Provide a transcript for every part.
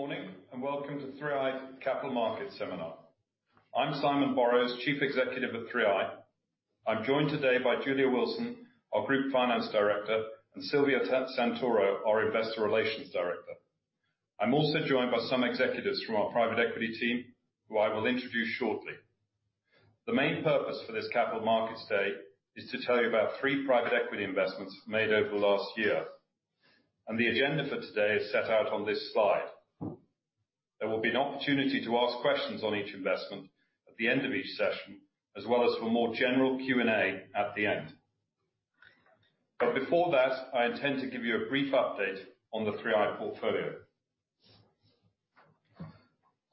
Good morning. Welcome to 3i Capital Markets Seminar. I'm Simon Borrows, Chief Executive at 3i. I'm joined today by Julia Wilson, our Group Finance Director, and Silvia Santoro, our Investor Relations Director. I'm also joined by some executives from our private equity team, who I will introduce shortly. The main purpose for this Capital Markets Day is to tell you about three private equity investments made over the last year. The agenda for today is set out on this slide. There will be an opportunity to ask questions on each investment at the end of each session, as well as for more general Q&A at the end. Before that, I intend to give you a brief update on the 3i portfolio.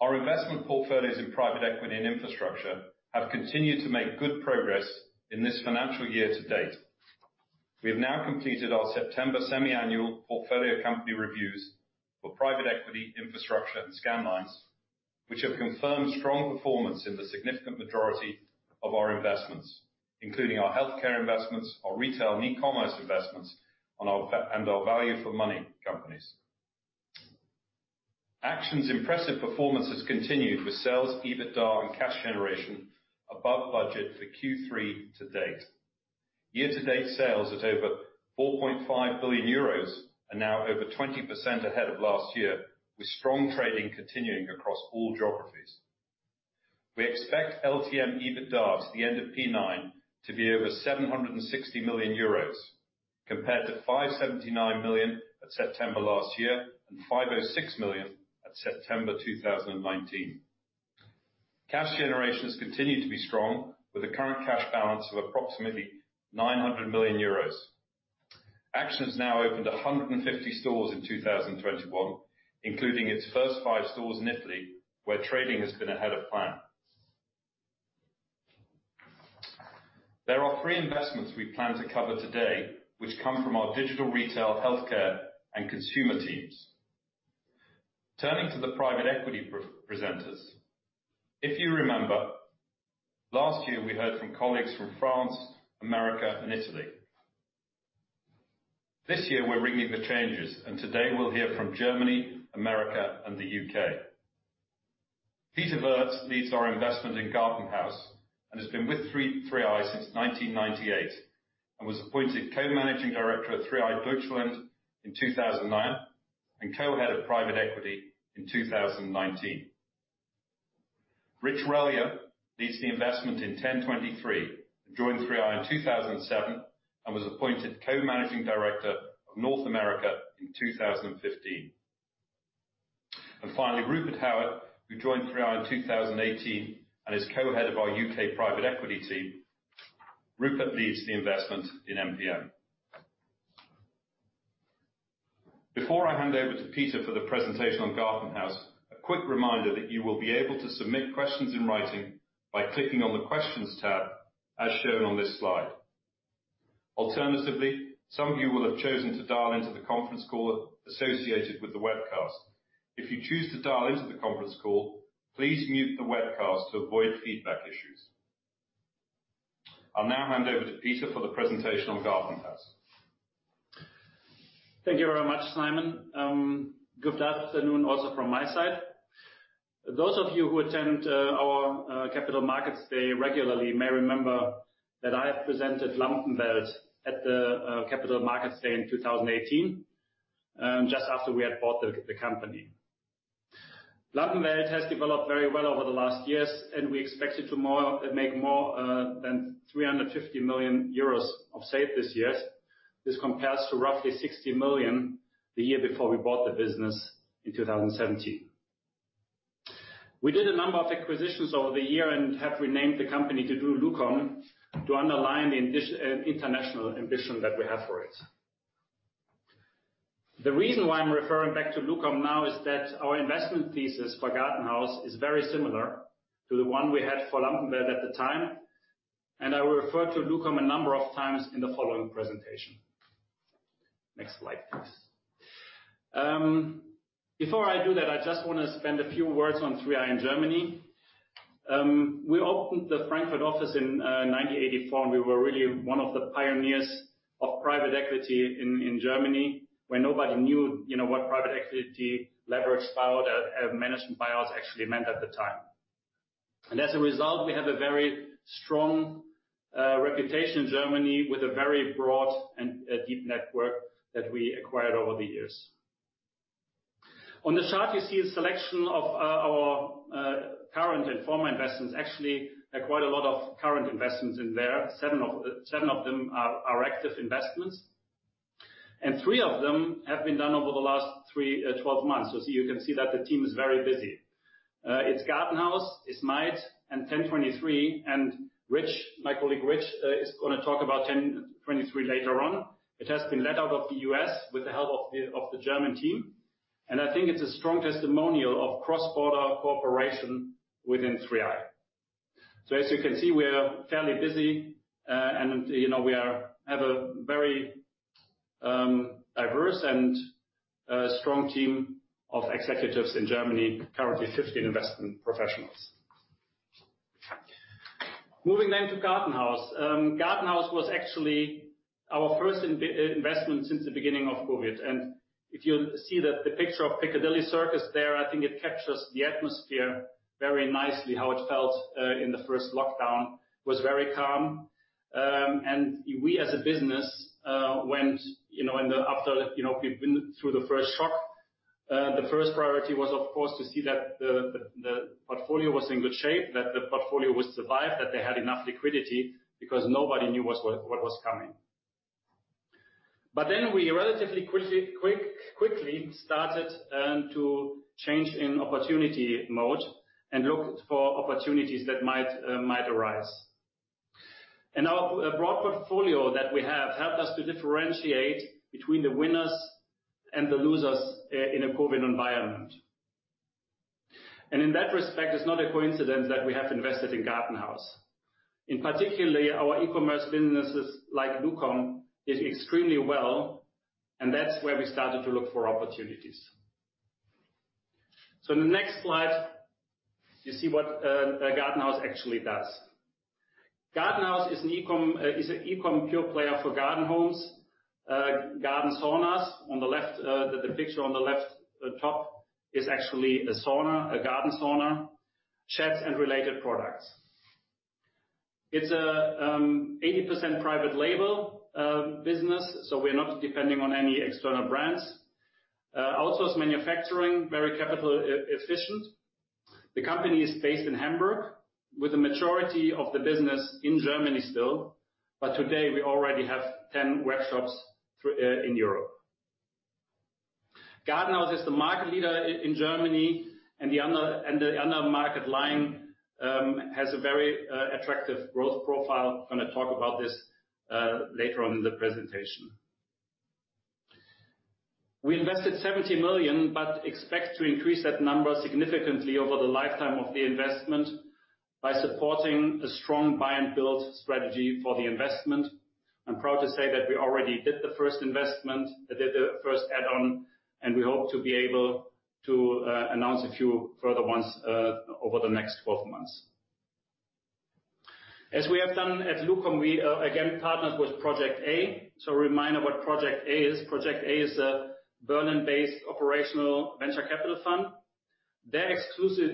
Our investment portfolios in private equity and infrastructure have continued to make good progress in this financial year to date. We have now completed our September semi-annual portfolio company reviews for private equity, infrastructure, and Scandlines, which have confirmed strong performance in the significant majority of our investments, including our healthcare investments, our retail and e-commerce investments, and our value-for-money companies. Action's impressive performance has continued with sales, EBITDA, and cash generation above budget for Q3 to date. Year-to-date sales at over 4.5 billion euros are now over 20% ahead of last year, with strong trading continuing across all geographies. We expect LTM EBITDA at the end of P9 to be over 760 million euros, compared to 579 million at September last year, and 506 million at September 2019. Cash generations continue to be strong with a current cash balance of approximately 900 million euros. Action has now opened 150 stores in 2021, including its first five stores in Italy, where trading has been ahead of plan. There are three investments we plan to cover today, which come from our digital retail, healthcare, and consumer teams. Turning to the private equity presenters, if you remember, last year, we heard from colleagues from France, America, and Italy. This year, we're ringing the changes. Today we'll hear from Germany, America, and the U.K. Peter Wirtz leads our investment in GartenHaus and has been with 3i since 1998, and was appointed co-managing director of 3i Deutschland in 2009 and co-head of private equity in 2019. Richard Relyea leads the investment in ten23 health and joined 3i in 2007 and was appointed co-managing director of North America in 2015. Finally, Rupert Howard, who joined 3i in 2018 and is co-head of our U.K. private equity team. Rupert leads the investment in MPM. Before I hand over to Peter for the presentation on GartenHaus, a quick reminder that you will be able to submit questions in writing by clicking on the Questions tab, as shown on this slide. Alternatively, some of you will have chosen to dial into the conference call associated with the webcast. If you choose to dial into the conference call, please mute the webcast to avoid feedback issues. I will now hand over to Peter for the presentation on GartenHaus. Thank you very much, Simon. Good afternoon also from my side. Those of you who attend our Capital Markets Day regularly may remember that I presented Lampenwelt at the Capital Markets Day in 2019, just after we had bought the company. Lampenwelt has developed very well over the last years, and we expect it to make more than 350 million euros of sales this year. This compares to roughly 60 million the year before we bought the business in 2017. We did a number of acquisitions over the year and have renamed the company to LUQOM to underline the international ambition that we have for it. The reason why I'm referring back to LUQOM now is that our investment thesis for GartenHaus is very similar to the one we had for Lampenwelt at the time, and I will refer to LUQOM a number of times in the following presentation. Next slide, please. Before I do that, I just want to spend a few words on 3i in Germany. We opened the Frankfurt office in 1984, and we were really one of the pioneers of private equity in Germany when nobody knew what private equity leverage buyout and management buyouts actually meant at the time. As a result, we have a very strong reputation in Germany with a very broad and deep network that we acquired over the years. On the chart, you see a selection of our current and former investments. Actually, quite a lot of current investments in there. Seven of them are active investments, and three of them have been done over the last 12 months. You can see that the team is very busy. It's GartenHaus, it's MAIT, and ten23 health. Rich, my colleague Rich, is going to talk about ten23 health later on. It has been led out of the U.S. with the help of the German team. I think it's a strong testimonial of cross-border cooperation within 3i. As you can see, we are fairly busy. We have a very diverse and strong team of executives in Germany, currently 15 investment professionals. Moving to Gartenhaus. Gartenhaus was actually our first investment since the beginning of COVID. If you see the picture of Piccadilly Circus there, I think it captures the atmosphere very nicely, how it felt in the first lockdown. It was very calm. We as a business went, after we've been through the first shock, the first priority was, of course, to see that the portfolio was in good shape, that the portfolio would survive, that they had enough liquidity, because nobody knew what was coming. We relatively quickly started to change in opportunity mode and looked for opportunities that might arise. Our broad portfolio that we have helped us to differentiate between the winners and the losers in a COVID environment. In that respect, it's not a coincidence that we have invested in GartenHaus. In particular, our e-commerce businesses like LUQOM did extremely well, and that's where we started to look for opportunities. In the next slide, you see what GartenHaus actually does. GartenHaus is an e-com pure player for garden homes, garden saunas. On the left, the picture on the left top is actually a sauna, a garden sauna, sheds and related products. It's a 80% private label business, so we're not depending on any external brands. Outsource manufacturing, very capital efficient. The company is based in Hamburg with the majority of the business in Germany still. Today we already have 10 workshops in Europe. GartenHaus is the market leader in Germany and the other market line has a very attractive growth profile. I am going to talk about this later on in the presentation. We invested 70 million, but expect to increase that number significantly over the lifetime of the investment by supporting a strong buy and build strategy for the investment. I am proud to say that we already did the first investment, did the first add-on, and we hope to be able to announce a few further ones over the next 12 months. As we have done at LUQOM, we again partnered with Project A. A reminder what Project A is. Project A is a Berlin-based operational venture capital fund. They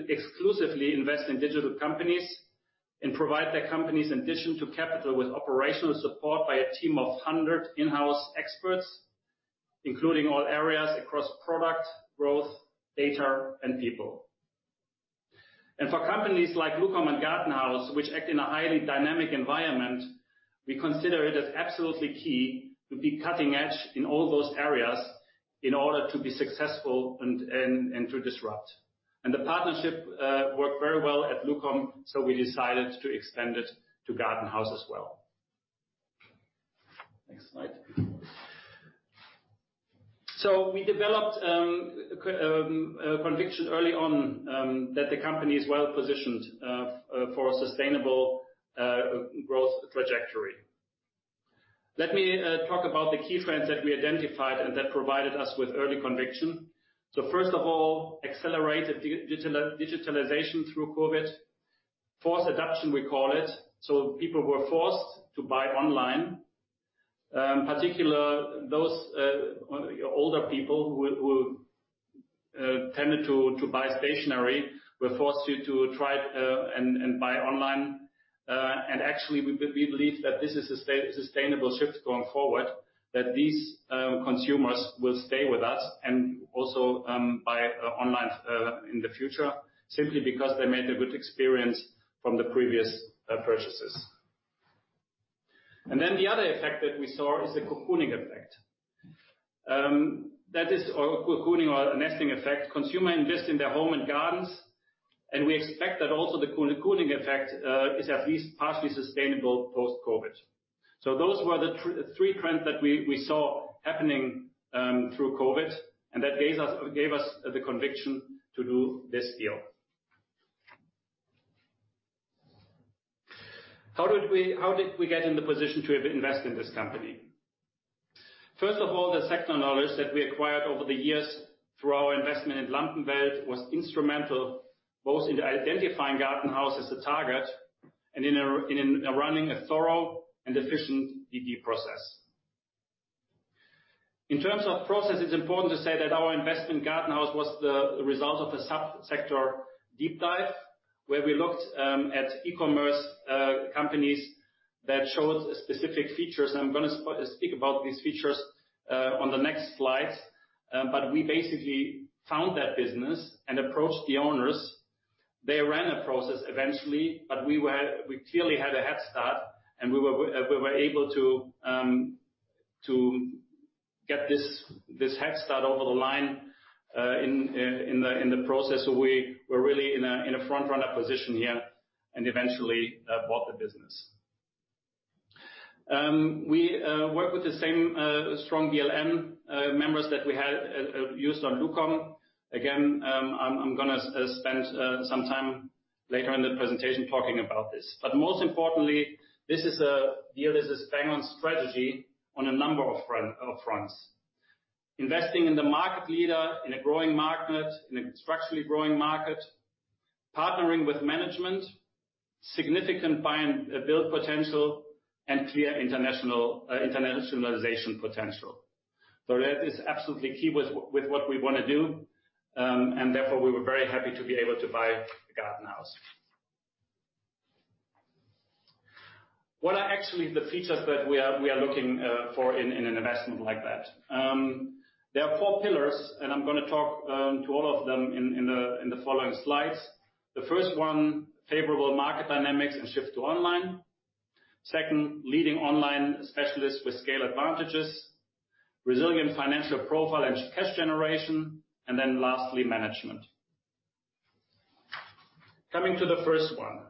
exclusively invest in digital companies and provide their companies in addition to capital with operational support by a team of 100 in-house experts, including all areas across product, growth, data, and people. For companies like LUQOM and GartenHaus, which act in a highly dynamic environment, we consider it as absolutely key to be cutting edge in all those areas in order to be successful and to disrupt. The partnership worked very well at LUQOM, so we decided to extend it to GartenHaus as well. Next slide. We developed a conviction early on that the company is well positioned for a sustainable growth trajectory. Let me talk about the key trends that we identified and that provided us with early conviction. First of all, accelerated digitalization through COVID. Forced adoption, we call it. People were forced to buy online. Particularly those older people who tended to buy stationery were forced to try and buy online. Actually, we believe that this is a sustainable shift going forward, that these consumers will stay with us and also buy online in the future simply because they made a good experience from the previous purchases. Then the other effect that we saw is the cocooning effect. That is, cocooning or nesting effect. Consumers invest in their home and gardens. We expect that also the cocooning effect is at least partially sustainable post-COVID. Those were the three trends that we saw happening through COVID. That gave us the conviction to do this deal. How did we get in the position to invest in this company? First of all, the sector knowledge that we acquired over the years through our investment in Lampenwelt was instrumental both in identifying GartenHaus as a target and in running a thorough and efficient DD process. In terms of process, it's important to say that our investment in GartenHaus was the result of a subsector deep dive where we looked at e-commerce companies that showed specific features. I'm going to speak about these features on the next slide. We basically found that business and approached the owners. They ran a process eventually, we clearly had a head start and we were able to get this head start over the line in the process. We were really in a front runner position here and eventually bought the business. We work with the same strong BLM members that we used on LUQOM. I'm going to spend some time later in the presentation talking about this. Most importantly, this is a deal that's a bang on strategy on a number of fronts, investing in the market leader in a growing market, in a structurally growing market, partnering with management, significant buy and build potential, and clear internationalization potential. That is absolutely key with what we want to do. Therefore we were very happy to be able to buy GartenHaus. What are actually the features that we are looking for in an investment like that? There are four pillars. I'm going to talk to all of them in the following slides. The first one, favorable market dynamics and shift to online. Second, leading online specialists with scale advantages. Resilient financial profile and cash generation. Lastly, management. Coming to the first one.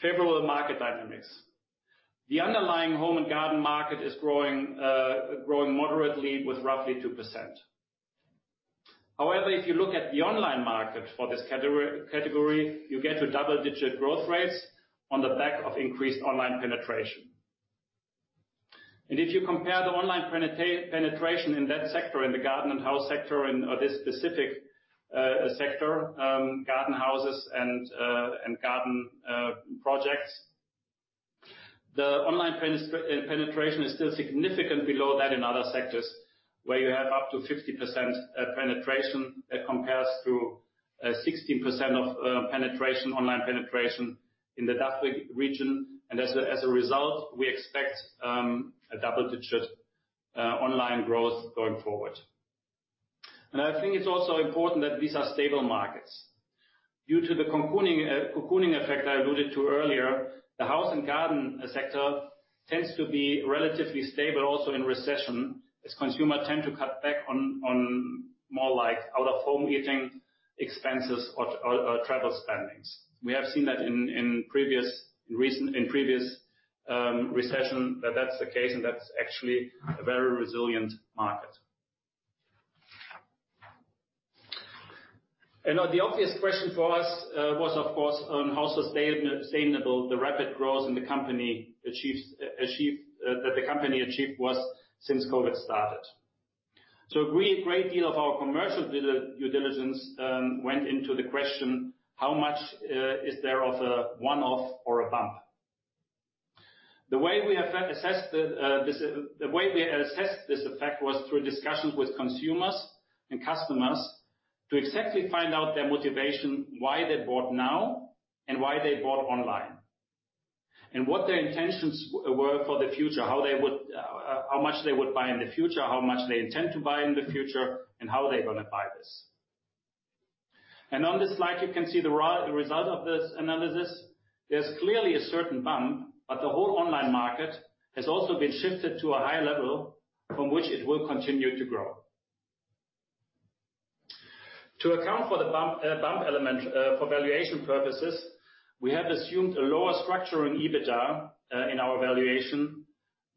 Favorable market dynamics. The underlying home and garden market is growing moderately with roughly 2%. However, if you look at the online market for this category, you get to double-digit growth rates on the back of increased online penetration. If you compare the online penetration in that sector, in the GartenHaus sector, in this specific sector, garden houses and garden projects, the online penetration is still significantly lower than in other sectors where you have up to 50% penetration. That compares to 16% of online penetration in the DACH region. As a result, we expect a double-digit online growth going forward. I think it is also important that these are stable markets. Due to the cocooning effect I alluded to earlier, the house and garden sector tends to be relatively stable also in recession, as consumer tend to cut back on more out of home eating expenses or travel spendings. We have seen that in previous recession that that's the case, and that's actually a very resilient market. Now the obvious question for us was, of course, how sustainable the rapid growth that the company achieved was since COVID started. A great deal of our commercial due diligence went into the question, how much is there of a one-off or a bump? The way we assessed this effect was through discussions with consumers and customers to exactly find out their motivation, why they bought now and why they bought online. What their intentions were for the future, how much they would buy in the future, how much they intend to buy in the future, and how are they going to buy this. On this slide, you can see the result of this analysis. There's clearly a certain bump, but the whole online market has also been shifted to a higher level from which it will continue to grow. To account for the bump element for valuation purposes, we have assumed a lower structure in EBITDA in our valuation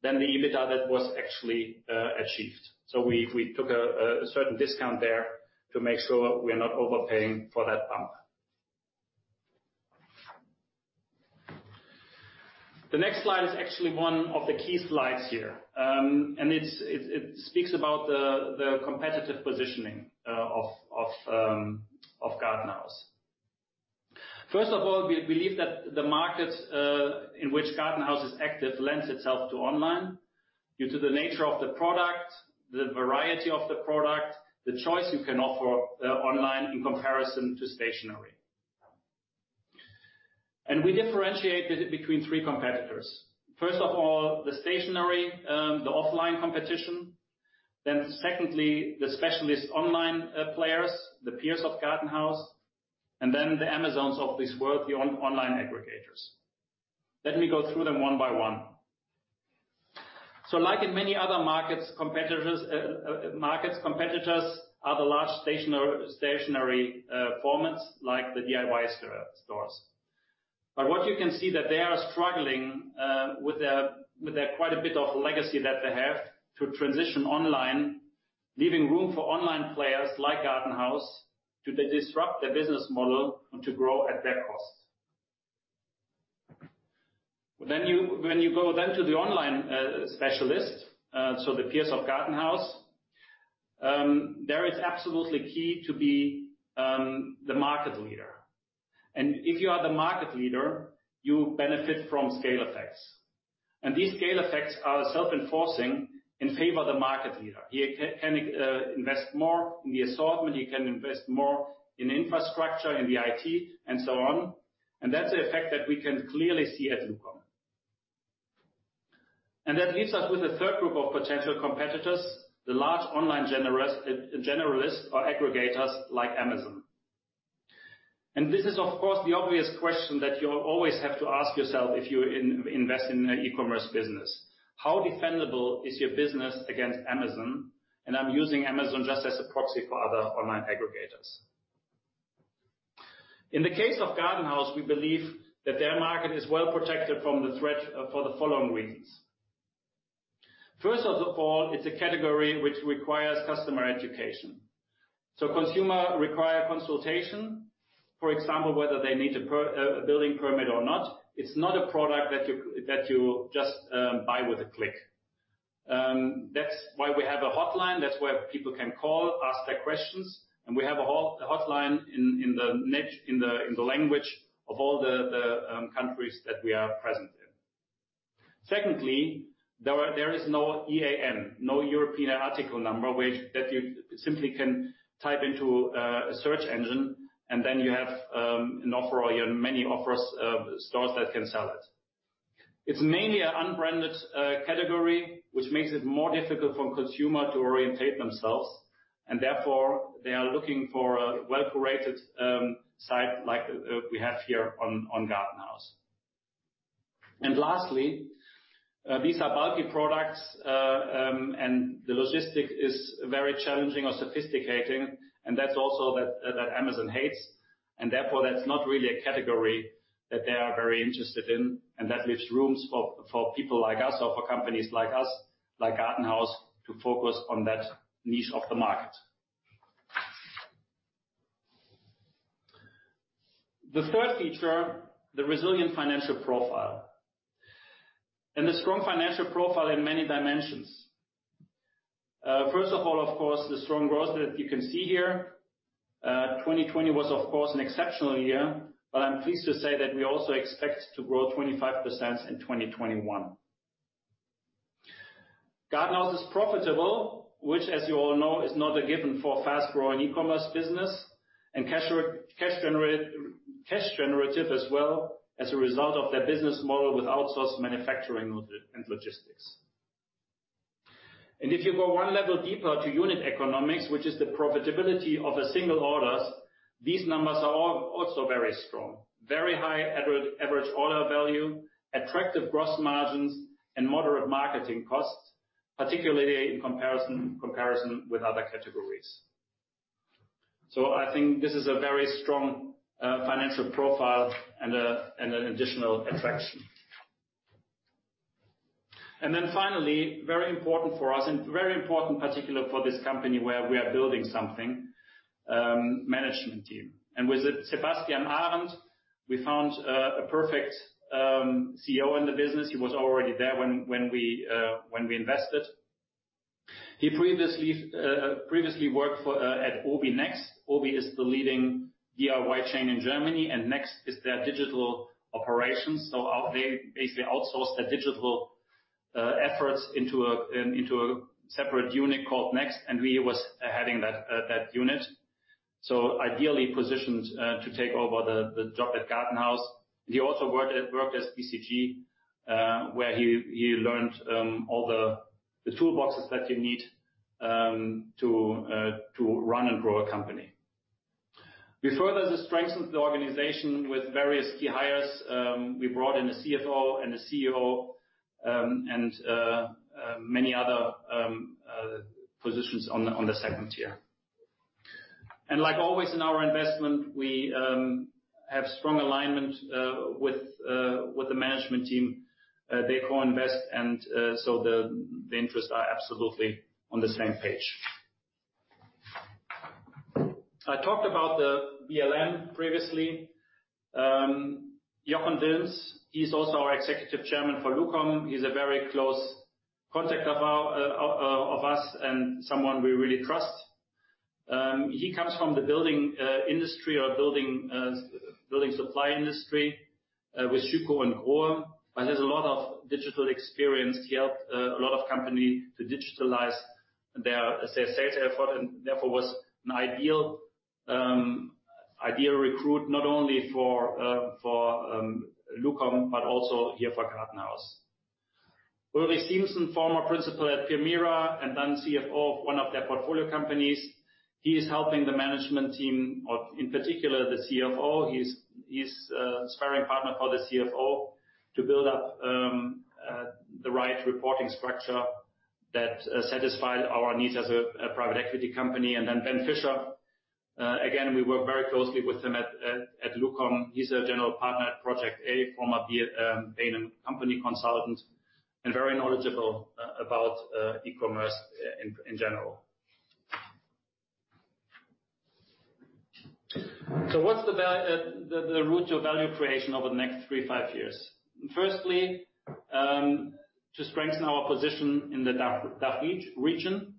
than the EBITDA that was actually achieved. We took a certain discount there to make sure we're not overpaying for that bump. The next slide is actually one of the key slides here. It speaks about the competitive positioning of GartenHaus. First of all, we believe that the market in which GartenHaus is active lends itself to online due to the nature of the product, the variety of the product, the choice you can offer online in comparison to stationary. We differentiate between three competitors. First of all, the stationary, the offline competition. Secondly, the specialist online players, the peers of GartenHaus. Then the Amazon of this world, the online aggregators. Let me go through them one by one. Like in many other markets, competitors are the large stationary formats like the DIY stores. What you can see that they are struggling with the quite a bit of legacy that they have to transition online, leaving room for online players like GartenHaus to disrupt their business model and to grow at their cost. When you go then to the online specialist, so the peers of GartenHaus, there it's absolutely key to be the market leader. If you are the market leader, you benefit from scale effects. These scale effects are self-enforcing in favor of the market leader. He can invest more in the assortment, he can invest more in infrastructure, in the IT, and so on. That's the effect that we can clearly see at LUQOM. That leaves us with a third group of potential competitors, the large online generalists or aggregators like Amazon. This is, of course, the obvious question that you always have to ask yourself if you invest in an e-commerce business. How defendable is your business against Amazon? I'm using Amazon just as a proxy for other online aggregators. In the case of Gartenhaus, we believe that their market is well protected from the threat for the following reasons. First of all, it's a category which requires customer education. Consumers require consultation. For example, whether they need a building permit or not. It's not a product that you just buy with a click. That's why we have a hotline. That's where people can call, ask their questions, and we have a hotline in the language of all the countries that we are present in. Secondly, there is no EAN, no European Article Number, that you simply can type into a search engine and then you have many offers of stores that can sell it. It's mainly an unbranded category, which makes it more difficult for a consumer to orientate themselves, and therefore, they are looking for a well-curated site like we have here on Gartenhaus. Lastly, these are bulky products, and the logistics is very challenging or sophisticated, and that's also what Amazon hates. Therefore, that's not really a category that they are very interested in, and that leaves rooms for people like us or for companies like us, like Gartenhaus, to focus on that niche of the market. The third feature, the resilient financial profile. A strong financial profile in many dimensions. First of all, of course, the strong growth that you can see here. 2020 was, of course, an exceptional year, but I'm pleased to say that we also expect to grow 25% in 2021. Gartenhaus is profitable, which, as you all know, is not a given for a fast-growing e-commerce business, and cash generative as well as a result of their business model with outsourced manufacturing and logistics. If you go one level deeper to unit economics, which is the profitability of a single orders, these numbers are also very strong. Very high average order value, attractive gross margins, and moderate marketing costs, particularly in comparison with other categories. I think this is a very strong financial profile and an additional attraction. Finally, very important for us and very important particular for this company where we are building something, management team. With Sebastian Arendt, we found a perfect CEO in the business. He was already there when we invested. He previously worked at Obi Next. Obi is the leading DIY chain in Germany, and Next is their digital operations. They basically outsourced their digital efforts into a separate unit called Next, and he was heading that unit. Ideally positioned to take over the job at GartenHaus. He also worked at BCG, where he learned all the toolboxes that you need to run and grow a company. We further strengthened the organization with various key hires. We brought in a CFO and a CEO, and many other positions on the second tier. Like always in our investment, we have strong alignment with the management team. They co-invest and so the interests are absolutely on the same page. I talked about the BLM previously. Jochen Wilms, he's also our executive chairman for LUQOM. He's a very close contact of us and someone we really trust. He comes from the building industry or building supply industry with Schüco and KOCH. He has a lot of digital experience. He helped a lot of companies to digitalize their sales effort, and therefore was an ideal recruit not only for LUQOM, but also here for GartenHaus. Ulrich Siemssen, former principal at Permira and then CFO of one of their portfolio companies. He is helping the management team or in particular the CFO. He's a sparring partner for the CFO to build up the right reporting structure that satisfies our needs as a private equity company. Ben Fischer. Again, we work very closely with him at LUQOM. He's a general partner at Project A, former Bain & Company consultant, and very knowledgeable about e-commerce in general. What's the route to value creation over the next three to five years? Firstly, to strengthen our position in the DACH region.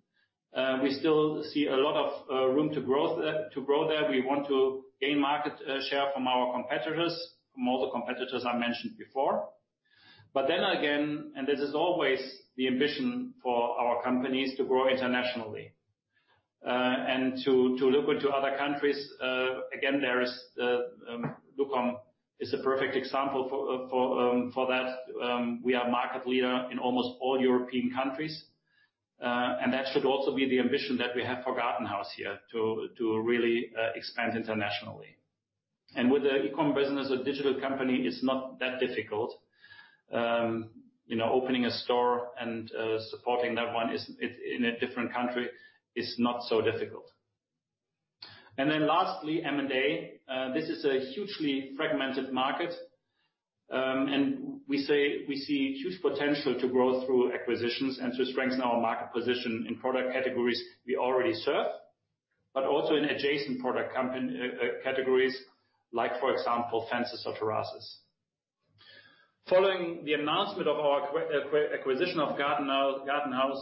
We still see a lot of room to grow there. We want to gain market share from our competitors, from all the competitors I mentioned before. This is always the ambition for our companies, to grow internationally. To look into other countries again, LUQOM is a perfect example for that. We are market leader in almost all European countries. That should also be the ambition that we have for GartenHaus here to really expand internationally. With the e-com business, a digital company, it's not that difficult. Opening a store and supporting that one in a different country is not so difficult. Then lastly, M&A. This is a hugely fragmented market. We see huge potential to grow through acquisitions and to strengthen our market position in product categories we already serve, but also in adjacent product categories like, for example, fences or terraces. Following the announcement of our acquisition of GartenHaus,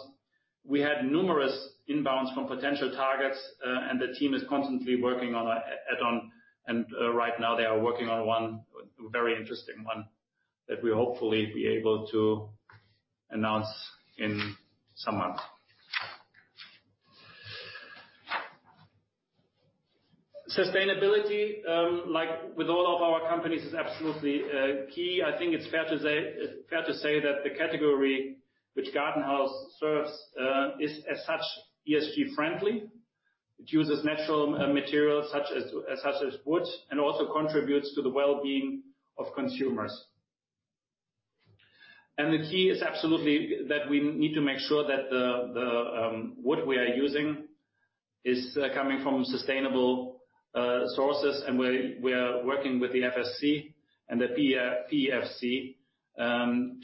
we had numerous inbounds from potential targets, and the team is constantly working on add-on, and right now they are working on a very interesting one that we'll hopefully be able to announce in summer. Sustainability, like with all of our companies, is absolutely key. I think it's fair to say that the category which GartenHaus serves is as such ESG friendly. It uses natural materials such as wood, and also contributes to the wellbeing of consumers. The key is absolutely that we need to make sure that the wood we are using is coming from sustainable sources, and we are working with the FSC and the PEFC,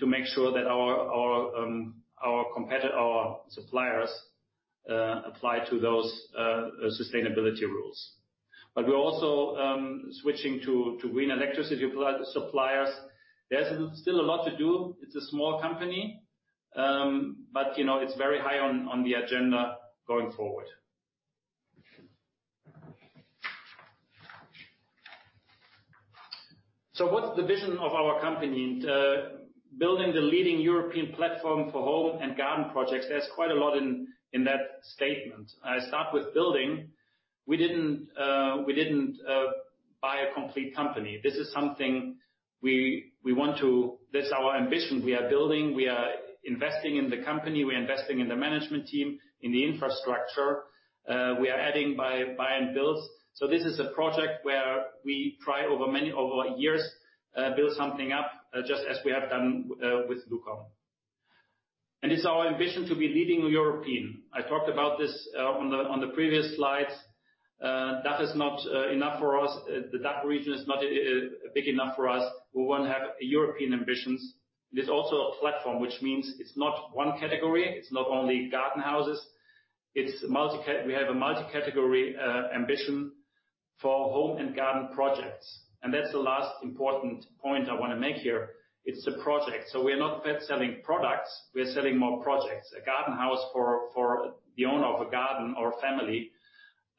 to make sure that our suppliers apply to those sustainability rules. We're also switching to green electricity suppliers. There's still a lot to do. It's a small company. It's very high on the agenda going forward. What's the vision of our company? Building the leading European platform for home and garden projects. There's quite a lot in that statement. I start with building. We didn't buy a complete company. This is our ambition. We are building, we are investing in the company, we are investing in the management team, in the infrastructure. We are adding by buy and builds. This is a project where we try over years, build something up, just as we have done with LUQOM. It's our ambition to be leading European. I talked about this on the previous slides. That is not enough for us. The DACH region is not big enough for us. We want to have European ambitions. It is also a platform, which means it's not one category, it's not only garden houses. We have a multi-category ambition for home and garden projects. That's the last important point I want to make here. It's a project. We're not selling products, we're selling more projects. A garden house for the owner of a garden or a family.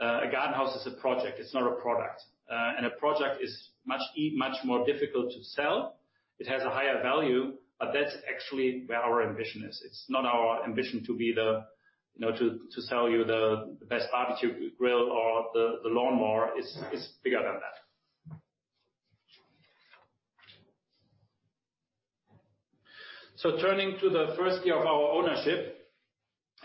A garden house is a project. It's not a product. A project is much more difficult to sell. It has a higher value, but that's actually where our ambition is. It's not our ambition to sell you the best barbecue grill or the lawnmower. It's bigger than that. Turning to the first year of our ownership.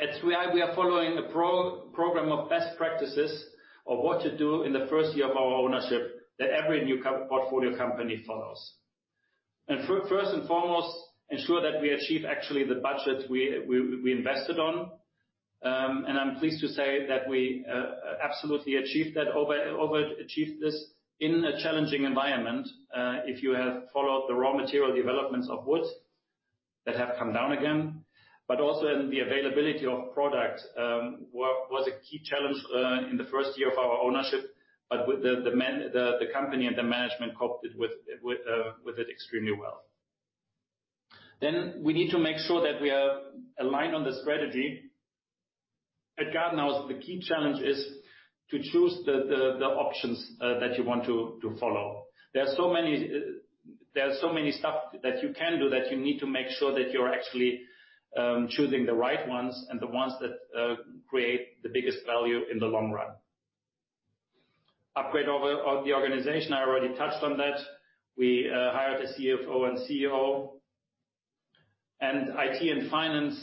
At 3i we are following a program of best practices of what to do in the first year of our ownership that every new portfolio company follows. First and foremost, ensure that we achieve actually the budget we invested on. I'm pleased to say that we absolutely achieved that, over-achieved this in a challenging environment. If you have followed the raw material developments of wood that have come down again, but also in the availability of product, was a key challenge in the first year of our ownership. The company and the management coped with it extremely well. We need to make sure that we are aligned on the strategy. At GartenHaus, the key challenge is to choose the options that you want to follow. There are so many stuff that you can do that you need to make sure that you're actually choosing the right ones, and the ones that create the biggest value in the long run. Upgrade of the organization. I already touched on that. We hired a CFO and CEO. IT and finance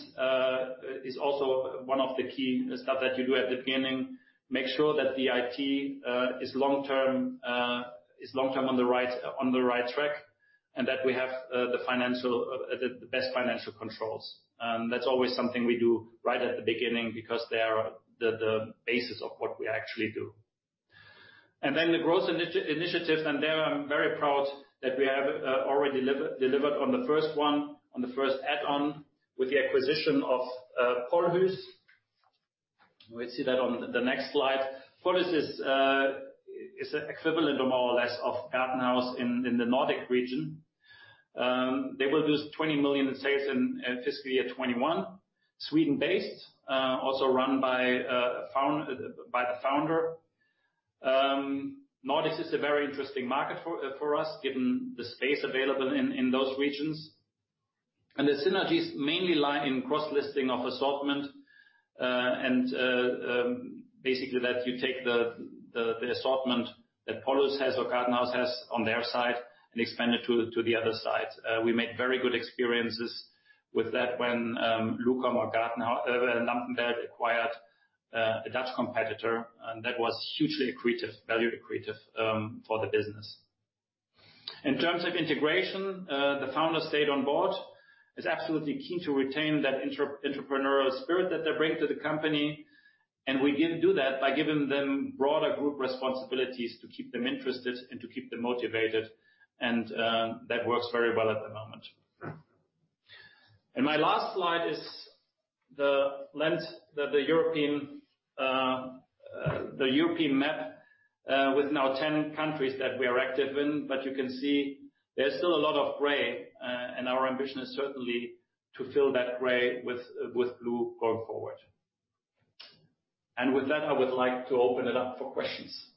is also one of the key stuff that you do at the beginning. Make sure that the IT is long-term on the right track, and that we have the best financial controls. That's always something we do right at the beginning because they are the basis of what we actually do. The growth initiatives, there I'm very proud that we have already delivered on the first one, on the first add-on with the acquisition of Polhus. We'll see that on the next slide. Polhus is equivalent more or less of GartenHaus in the Nordic region. They will do 20 million in sales in FY 2021. Sweden-based, also run by the founder. Nordics is a very interesting market for us given the space available in those regions. The synergies mainly lie in cross-listing of assortment. Basically that you take the assortment that Polhus has or GartenHaus has on their side and expand it to the other side. We made very good experiences with that when LUQOM or Lampenwelt acquired a Dutch competitor, and that was hugely accretive, value accretive for the business. In terms of integration, the founder stayed on board. Is absolutely keen to retain that entrepreneurial spirit that they bring to the company. We do that by giving them broader group responsibilities to keep them interested and to keep them motivated. That works very well at the moment. My last slide is the European map with now 10 countries that we are active in. You can see there's still a lot of gray, and our ambition is certainly to fill that gray with blue going forward. With that, I would like to open it up for questions.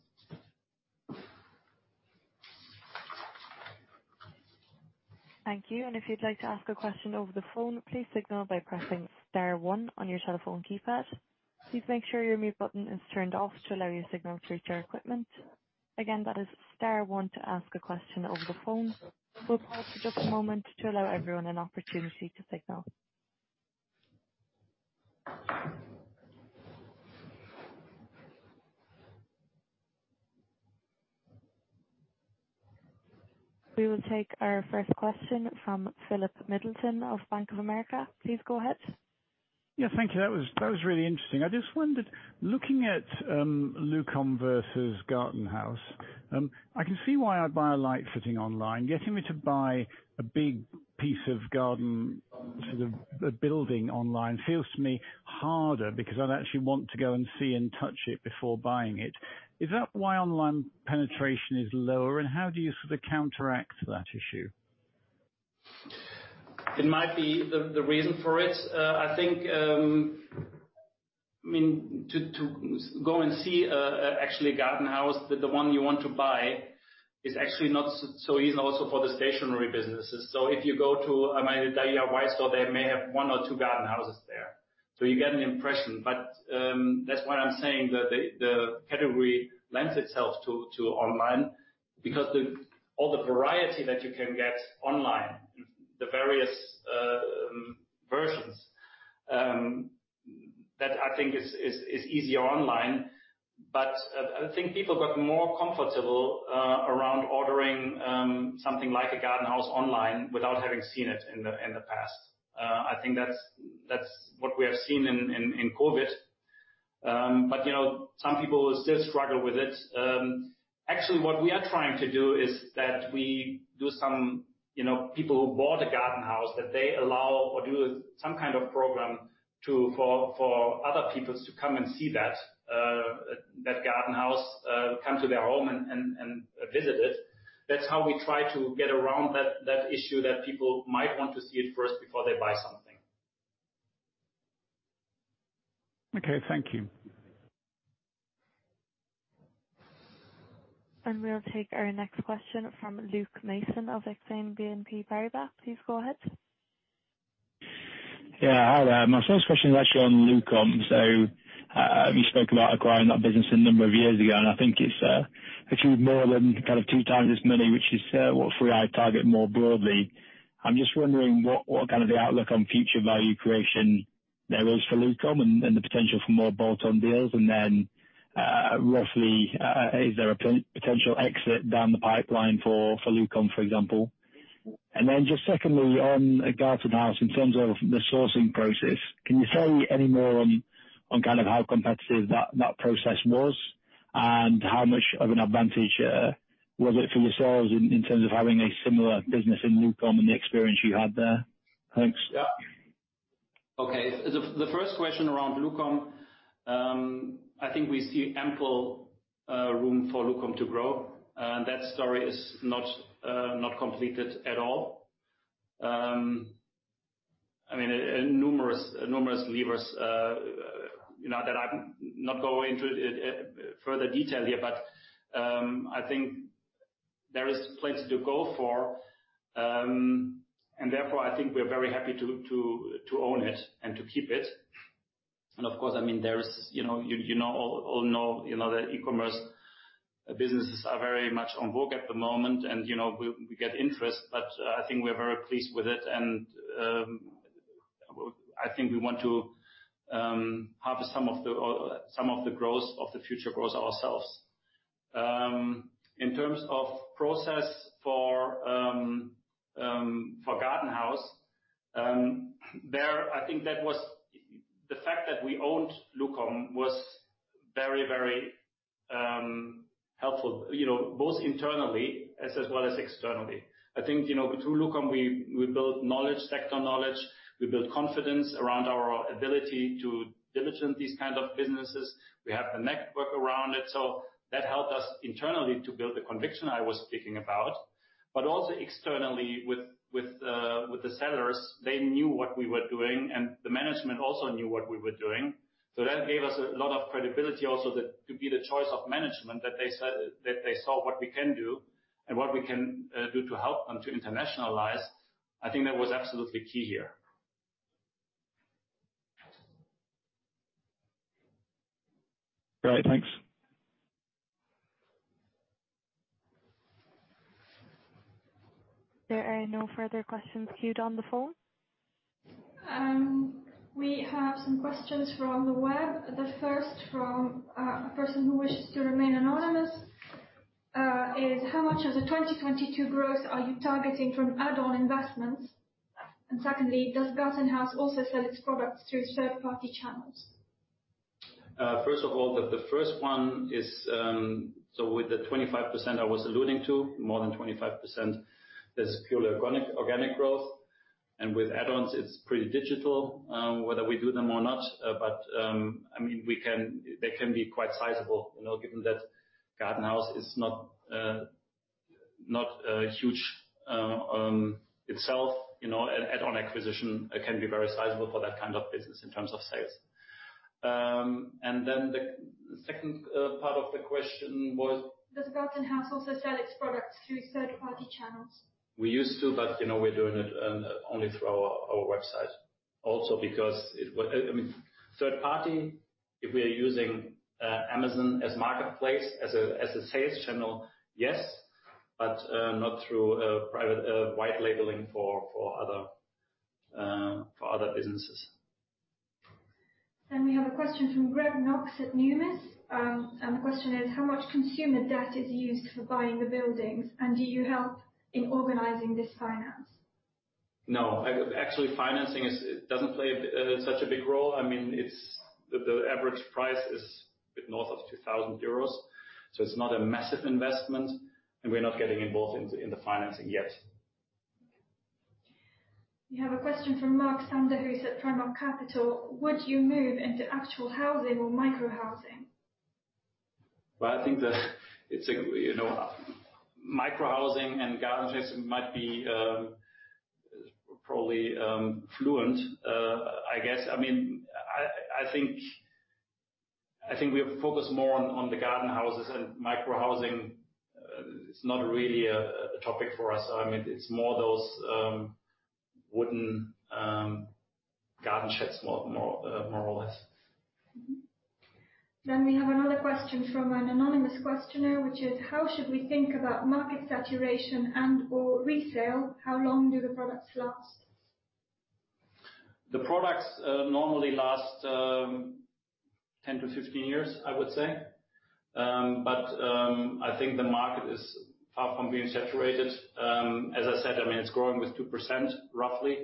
Thank you. If you'd like to ask a question over the phone, please signal by pressing star one on your telephone keypad. Please make sure your mute button is turned off to allow your signal to reach our equipment. Again, that is star one to ask a question over the phone. We'll pause for just a moment to allow everyone an opportunity to signal. We will take our first question from Philip Middleton of Bank of America. Please go ahead. Yeah, thank you. That was really interesting. I just wondered, looking at LUQOM versus GartenHaus, I can see why I'd buy a one light fitting online. Getting me to buy a big piece of garden, sort of a building online feels to me harder because I'd actually want to go and see and touch it before buying it. Is that why online penetration is lower, and how do you sort of counteract that issue? It might be the reason for it. I think, to go and see actually a Gartenhaus, the one you want to buy is actually not so easy also for the stationary businesses. If you go to a DIY store, they may have one or two Gartenhaus there. You get an impression. That's why I'm saying that the category lends itself to online because all the variety that you can get online, the various versions, that I think is easier online. I think people got more comfortable around ordering something like a Gartenhaus online without having seen it in the past. I think that's what we have seen in COVID. Some people still struggle with it. Actually, what we are trying to do is that we do some people who bought a GartenHaus that they allow or do some kind of program for other people to come and see that GartenHaus, come to their home and visit it. That's how we try to get around that issue that people might want to see it first before they buy something. Okay. Thank you. We'll take our next question from Luke Mason of Exane BNP Paribas. Please go ahead. Yeah. Hi there. My first question is actually on LUQOM. You spoke about acquiring that business a number of years ago, and I think it's achieved more than kind of two times as many, which is what 3i targeted more broadly. I'm just wondering what the outlook on future value creation there is for LUQOM and the potential for more bolt-on deals. Roughly, is there a potential exit down the pipeline for LUQOM, for example? Just secondly, on GartenHaus, in terms of the sourcing process, can you say any more on how competitive that process was and how much of an advantage was it for yourselves in terms of having a similar business in LUQOM and the experience you had there? Thanks. Yeah. Okay. The first question around LUQOM, I think we see ample room for LUQOM to grow. That story is not completed at all. Numerous levers that I'm not going into further detail here, but I think there is plenty to go for. Therefore, I think we are very happy to own it and to keep it. Of course, you all know that e-commerce businesses are very much en vogue at the moment and we get interest, but I think we're very pleased with it and I think we want to have some of the future growth ourselves. In terms of process for GartenHaus, I think the fact that we owned LUQOM was very helpful, both internally as well as externally. I think, through LUQOM, we built knowledge, sector knowledge. We built confidence around our ability to diligent these kind of businesses. We have the network around it. That helped us internally to build the conviction I was speaking about. Also externally with the sellers, they knew what we were doing, and the management also knew what we were doing. That gave us a lot of credibility also to be the choice of management that they saw what we can do and what we can do to help them to internationalize. I think that was absolutely key here. Great. Thanks. There are no further questions queued on the phone. We have some questions from the web. The first from a person who wishes to remain anonymous is, how much of the 2022 growth are you targeting from add-on investments? Secondly, does GartenHaus also sell its products through third-party channels? The first one is, with the 25% I was alluding to, more than 25%, that's purely organic growth. With add-ons it's pretty digital, whether we do them or not. They can be quite sizable, given that GartenHaus is not huge itself. An add-on acquisition can be very sizable for that kind of business in terms of sales. The second part of the question was? Does GartenHaus also sell its products through third-party channels? We used to, but we're doing it only through our website. Also because, third party, if we are using Amazon as marketplace, as a sales channel, yes, but not through private white labeling for other businesses. We have a question from Greg Knox at Numis. The question is, how much consumer debt is used for buying the buildings? Do you help in organizing this finance? No. Actually financing doesn't play such a big role. The average price is a bit north of 2,000 euros, so it's not a massive investment and we're not getting involved in the financing yet. We have a question from Mark Sander, who's at Primark Capital. Would you move into actual housing or micro-housing? Well, I think that micro-housing and Gartenhaus might be probably fluent, I guess. I think we have focused more on the garden houses and micro-housing. It's not really a topic for us. It's more those wooden garden sheds, more or less. We have another question from an anonymous questioner, which is, how should we think about market saturation and/or resale? How long do the products last? The products normally last 10 to 15 years, I would say. I think the market is far from being saturated. As I said, it's growing with 2%, roughly,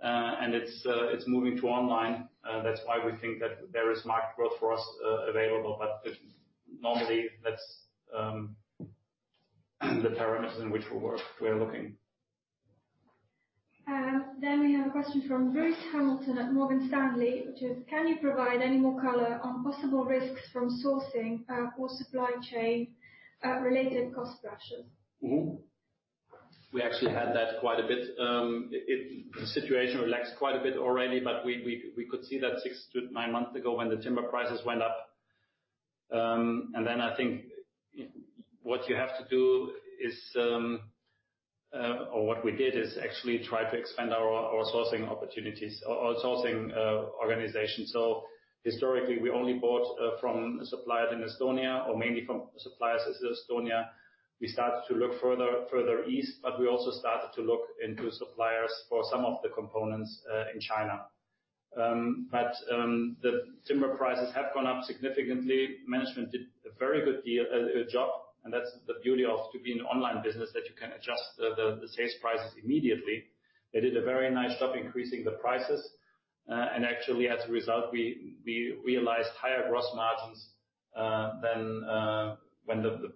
and it's moving to online. That's why we think that there is market growth for us available. Normally, that's the parameters in which we're looking. We have a question from Bruce Hamilton at Morgan Stanley, which is, can you provide any more color on possible risks from sourcing or supply chain related cost pressures? We actually had that quite a bit. The situation relaxed quite a bit already, but we could see that six to nine months ago when the timber prices went up. I think what you have to do is, or what we did is actually try to expand our sourcing opportunities, our sourcing organization. Historically we only bought from suppliers in Estonia or mainly from suppliers in Estonia. We started to look further east, but we also started to look into suppliers for some of the components in China. The timber prices have gone up significantly. Management did a very good job and that's the beauty of to be an online business, that you can adjust the sales prices immediately. They did a very nice job increasing the prices. Actually, as a result, we realized higher gross margins than when the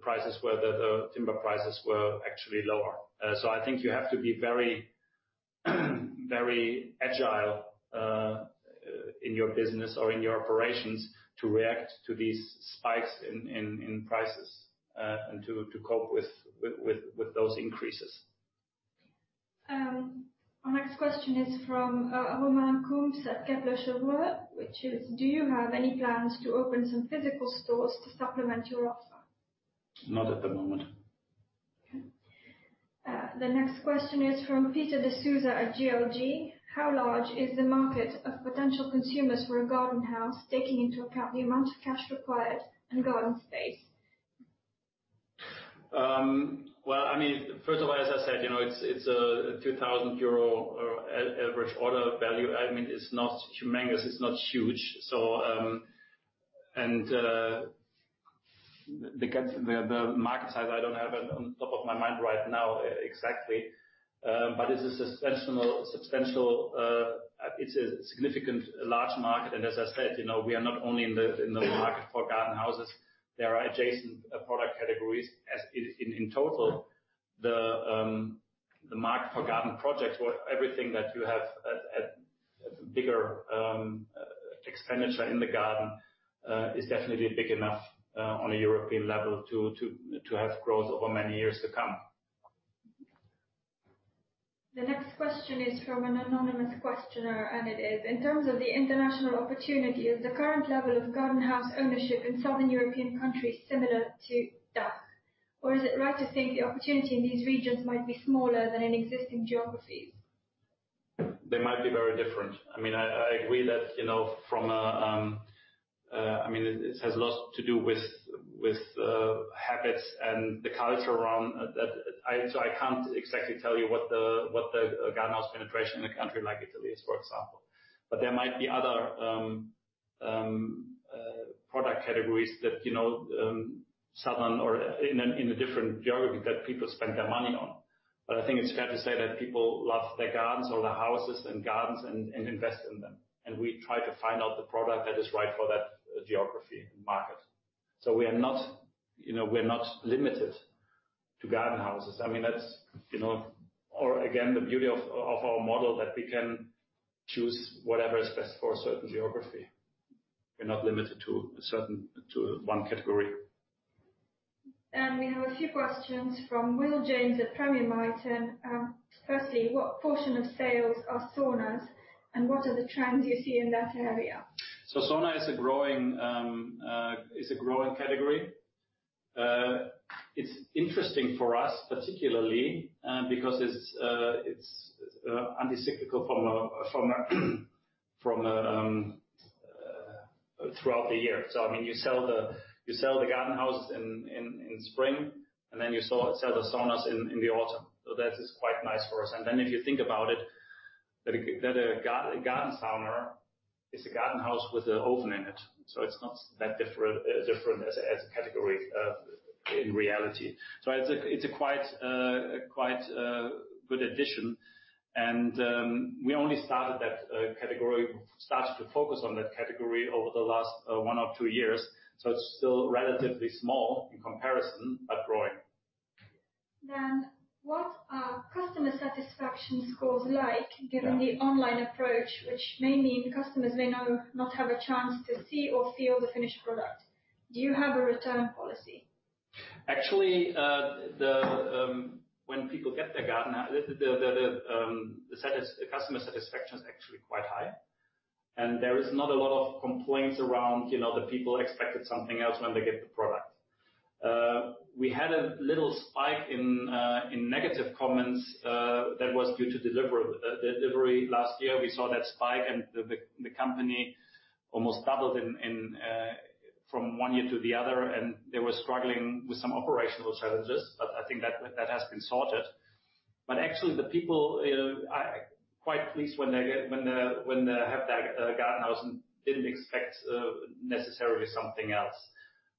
timber prices were actually lower. I think you have to be very agile in your business or in your operations to react to these spikes in prices and to cope with those increases. Our next question is from Romain Kumps at Kepler Cheuvreux, which is, do you have any plans to open some physical stores to supplement your offer? Not at the moment. Okay. The next question is from Peter D'Souza at GLG. How large is the market of potential consumers for a garden house, taking into account the amount of cash required and garden space? Well, first of all, as I said, it's a 2,000 euro average order value. It's not humongous. It's not huge. The market size, I don't have it on top of my mind right now exactly. It's a substantial, it's a significant large market. As I said, we are not only in the market for garden houses. There are adjacent product categories. In total, the market for garden projects or everything that you have a bigger expenditure in the garden is definitely big enough on a European level to have growth over many years to come. The next question is from an anonymous questioner, and it is, in terms of the international opportunity, is the current level of garden house ownership in southern European countries similar to DACH? Is it right to think the opportunity in these regions might be smaller than in existing geographies? They might be very different. I agree that it has lots to do with habits and the culture around that. I can't exactly tell you what the GartenHaus penetration in a country like Italy is, for example. There might be other product categories that southern or in a different geography that people spend their money on. I think it's fair to say that people love their gardens or their houses and gardens and invest in them. We try to find out the product that is right for that geography and market. We're not limited to garden houses. Again, the beauty of our model that we can choose whatever is best for a certain geography. We're not limited to one category. We have a few questions from Will James at Premier Miton. Firstly, what portion of sales are saunas? What are the trends you see in that area? Sauna is a growing category. It's interesting for us, particularly, because it's anti-cyclical from throughout the year. You sell the garden house in spring, and then you sell the saunas in the autumn. That is quite nice for us. If you think about it, that a garden sauna is a garden house with an oven in it. It's not that different as a category in reality. It's a quite good addition, and we only started to focus on that category over the last one or two years, so it's still relatively small in comparison, but growing. What are customer satisfaction scores like given the online approach, which may mean customers may not have a chance to see or feel the finished product? Do you have a return policy? Actually, when people get their GartenHaus, the customer satisfaction is actually quite high. There is not a lot of complaints around, the people expected something else when they get the product. We had a little spike in negative comments, that was due to delivery last year. We saw that spike and the company almost doubled from one year to the other, and they were struggling with some operational challenges. I think that has been sorted. Actually, the people are quite pleased when they have that GartenHaus and didn't expect necessarily something else.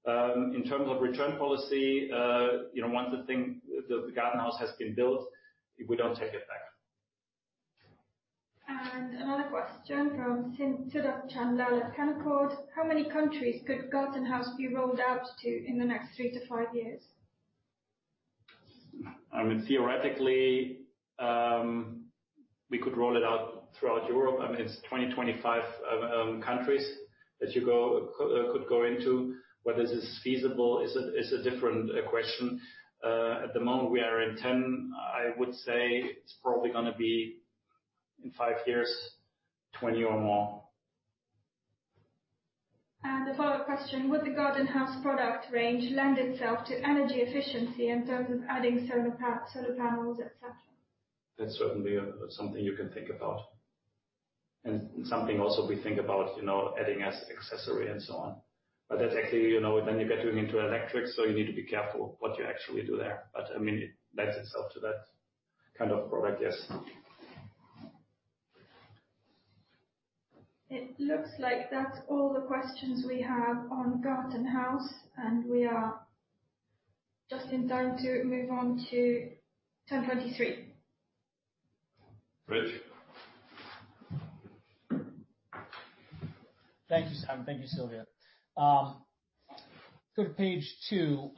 In terms of return policy, once the GartenHaus has been built, we don't take it back. Another question from Sid Chand Lall at Canaccord. How many countries could GartenHaus be rolled out to in the next three to five years? I mean, theoretically, we could roll it out throughout Europe. I mean, it's 20, 25 countries that you could go into. Whether this is feasible is a different question. At the moment, we are in 10. I would say it's probably going to be in five years, 20 or more. The follow-up question, would the GartenHaus product range lend itself to energy efficiency in terms of adding solar panels, et cetera? That's certainly something you can think about. Something also we think about, adding as accessory and so on. That actually, then you're getting into electrics. You need to be careful what you actually do there. It lends itself to that kind of product, yes. It looks like that's all the questions we have on GartenHaus. We are just in time to move on to ten23 health. Rich. Thank you, Simon. Thank you, Silvia. Go to page two.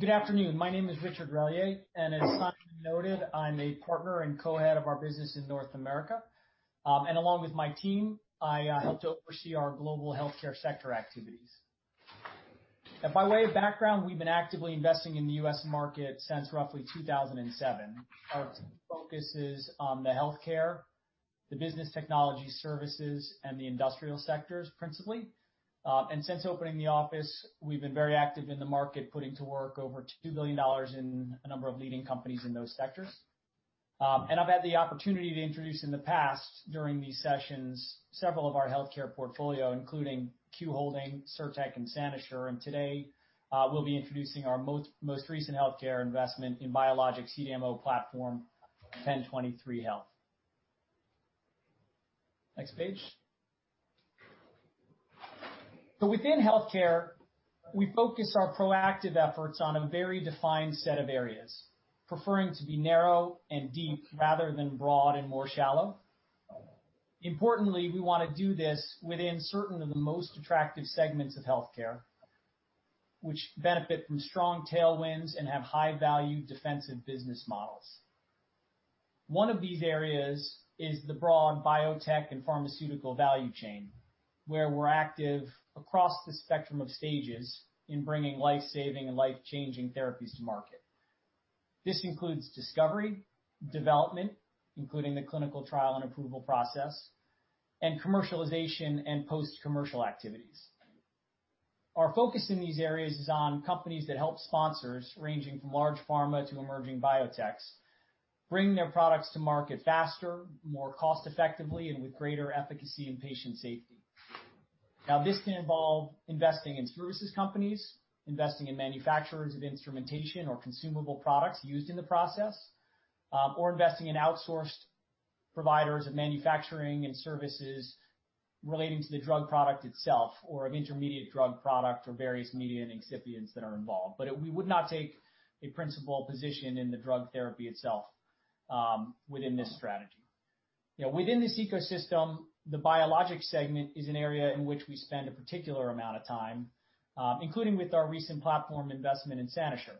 Good afternoon. My name is Richard Relyea, as Simon noted, I'm a partner and co-head of our business in North America. Along with my team, I help to oversee our global healthcare sector activities. By way of background, we've been actively investing in the U.S. market since roughly 2007. Our team focuses on the healthcare, the business technology services, and the industrial sectors, principally. Since opening the office, we've been very active in the market, putting to work over GBP 2 billion in a number of leading companies in those sectors. I've had the opportunity to introduce in the past, during these sessions, several of our healthcare portfolio, including Q Holding, Cirtec, and SaniSure. Today, we'll be introducing our most recent healthcare investment in biologic CDMO platform, ten23 health. Next page. Within healthcare, we focus our proactive efforts on a very defined set of areas, preferring to be narrow and deep rather than broad and more shallow. Importantly, we want to do this within certain of the most attractive segments of healthcare, which benefit from strong tailwinds and have high-value defensive business models. One of these areas is the broad biotech and pharmaceutical value chain, where we're active across the spectrum of stages in bringing life-saving and life-changing therapies to market. This includes discovery, development, including the clinical trial and approval process, and commercialization and post-commercial activities. Our focus in these areas is on companies that help sponsors, ranging from large pharma to emerging biotechs, bring their products to market faster, more cost-effectively, and with greater efficacy and patient safety. This can involve investing in services companies, investing in manufacturers of instrumentation or consumable products used in the process, or investing in outsourced providers of manufacturing and services relating to the drug product itself, or of intermediate drug product for various media and excipients that are involved. We would not take a principal position in the drug therapy itself within this strategy. Within this ecosystem, the biologic segment is an area in which we spend a particular amount of time, including with our recent platform investment in SaniSure.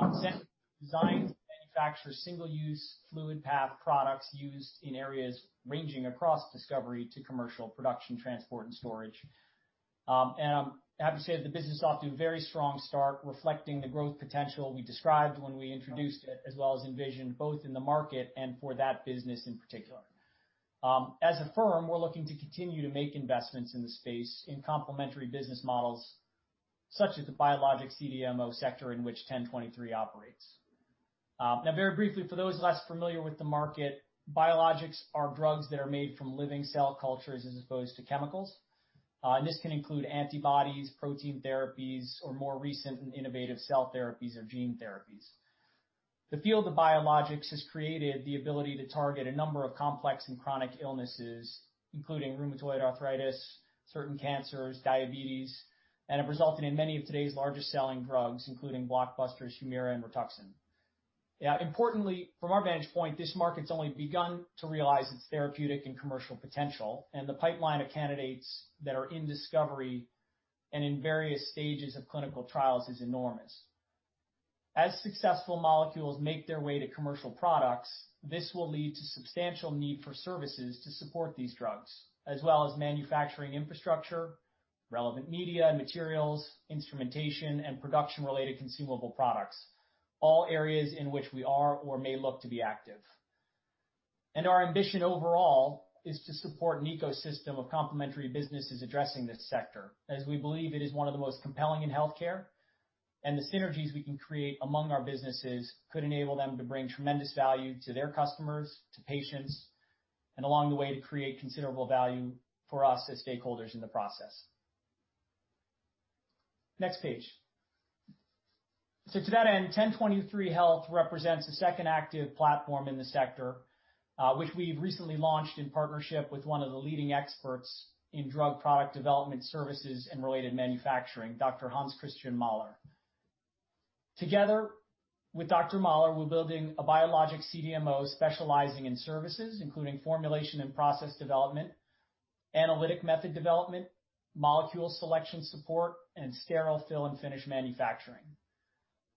SaniSure designs and manufactures single-use fluid path products used in areas ranging across discovery to commercial production, transport, and storage. I'm happy to say that the business is off to a very strong start, reflecting the growth potential we described when we introduced it, as well as envisioned both in the market and for that business in particular. As a firm, we're looking to continue to make investments in the space in complementary business models, such as the biologic CDMO sector in which ten23 operates. Very briefly, for those less familiar with the market, biologics are drugs that are made from living cell cultures as opposed to chemicals. This can include antibodies, protein therapies, or more recent and innovative cell therapies or gene therapies. The field of biologics has created the ability to target a number of complex and chronic illnesses, including rheumatoid arthritis, certain cancers, diabetes, and have resulted in many of today's largest selling drugs, including blockbusters HUMIRA and RITUXAN. Importantly, from our vantage point, this market's only begun to realize its therapeutic and commercial potential, and the pipeline of candidates that are in discovery and in various stages of clinical trials is enormous. As successful molecules make their way to commercial products, this will lead to substantial need for services to support these drugs, as well as manufacturing infrastructure, relevant media and materials, instrumentation, and production-related consumable products. All areas in which we are or may look to be active. Our ambition overall is to support an ecosystem of complementary businesses addressing this sector, as we believe it is one of the most compelling in healthcare, and the synergies we can create among our businesses could enable them to bring tremendous value to their customers, to patients, and along the way, to create considerable value for us as stakeholders in the process. Next page. To that end, ten23 health represents the second active platform in the sector, which we've recently launched in partnership with one of the leading experts in drug product development services and related manufacturing, Dr. Hanns-Christian Mahler. Together with Dr. Mahler, we're building a biologic CDMO specializing in services, including formulation and process development, analytic method development, molecule selection support, and sterile fill and finish manufacturing.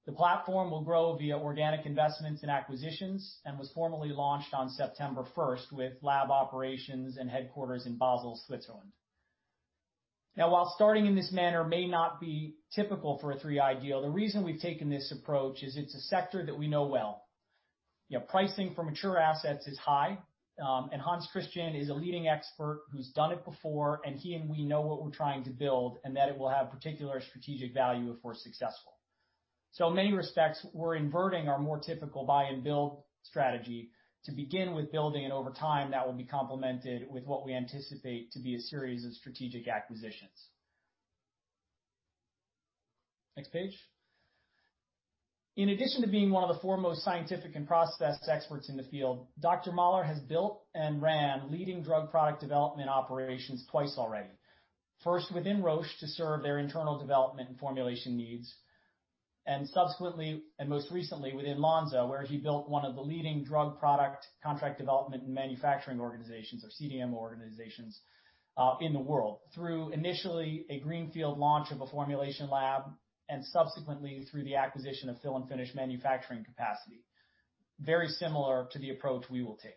The platform will grow via organic investments and acquisitions and was formally launched on September 1st with lab operations and headquarters in Basel, Switzerland. While starting in this manner may not be typical for 3i deal, the reason we've taken this approach is it's a sector that we know well. Pricing for mature assets is high, and Hanns-Christian is a leading expert who's done it before, and he and we know what we're trying to build and that it will have particular strategic value if we're successful. In many respects, we're inverting our more typical buy and build strategy to begin with building, and over time, that will be complemented with what we anticipate to be a series of strategic acquisitions. Next page. In addition to being one of the foremost scientific and process experts in the field, Dr. Mahler has built and ran leading drug product development operations twice already. First within Roche to serve their internal development and formulation needs, and subsequently and most recently within Lonza, where he built one of the leading drug product contract development and manufacturing organizations or CDM organizations in the world, through initially a greenfield launch of a formulation lab and subsequently through the acquisition of fill and finish manufacturing capacity. Very similar to the approach we will take.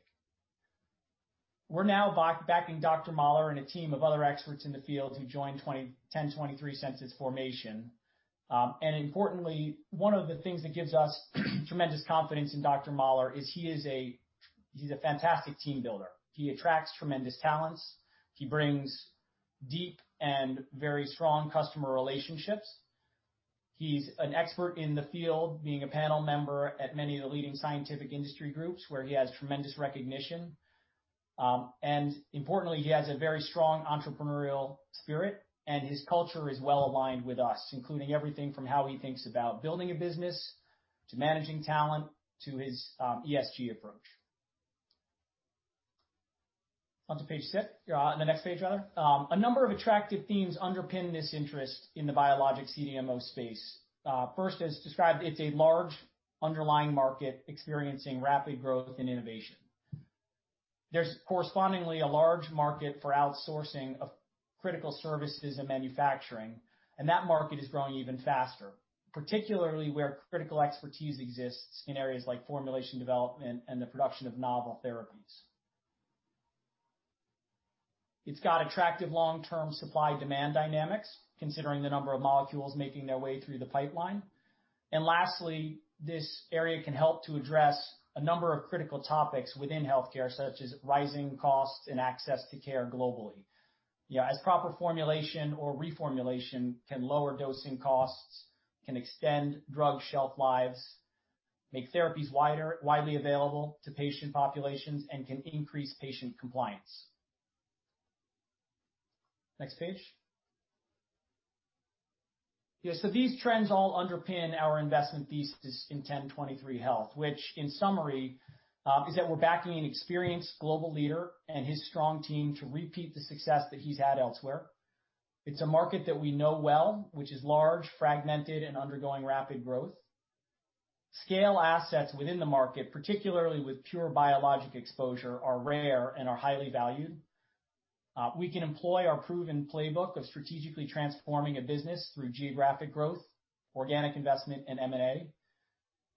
We're now backing Dr. Mahler and a team of other experts in the field who joined 1023 since its formation. Importantly, one of the things that gives us tremendous confidence in Dr. Mahler is he's a fantastic team builder. He attracts tremendous talents. He brings deep and very strong customer relationships. He's an expert in the field, being a panel member at many of the leading scientific industry groups, where he has tremendous recognition. Importantly, he has a very strong entrepreneurial spirit, and his culture is well-aligned with us, including everything from how he thinks about building a business, to managing talent, to his ESG approach. On to page six, the next page, rather. A number of attractive themes underpin this interest in the biologic CDMO space. First, as described, it's a large underlying market experiencing rapid growth and innovation. There's correspondingly a large market for outsourcing of critical services and manufacturing, and that market is growing even faster, particularly where critical expertise exists in areas like formulation development and the production of novel therapies. It's got attractive long-term supply-demand dynamics, considering the number of molecules making their way through the pipeline. Lastly, this area can help to address a number of critical topics within healthcare, such as rising costs and access to care globally. As proper formulation or reformulation can lower dosing costs, can extend drug shelf lives, make therapies widely available to patient populations, and can increase patient compliance. Next page. These trends all underpin our investment thesis in ten23 health, which in summary, is that we're backing an experienced global leader and his strong team to repeat the success that he's had elsewhere. It's a market that we know well, which is large, fragmented, and undergoing rapid growth. Scale assets within the market, particularly with pure biologic exposure, are rare and are highly valued. We can employ our proven playbook of strategically transforming a business through geographic growth, organic investment, and M&A.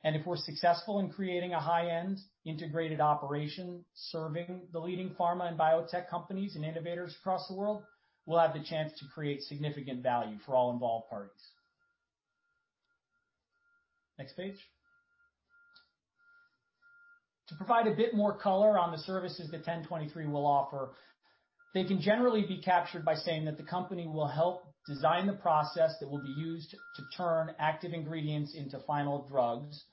If we're successful in creating a high-end integrated operation serving the leading pharma and biotech companies and innovators across the world, we'll have the chance to create significant value for all involved parties. Next page. To provide a bit more color on the services that ten23 health will offer, they can generally be captured by saying that the company will help design the process that will be used to turn active ingredients into final drugs,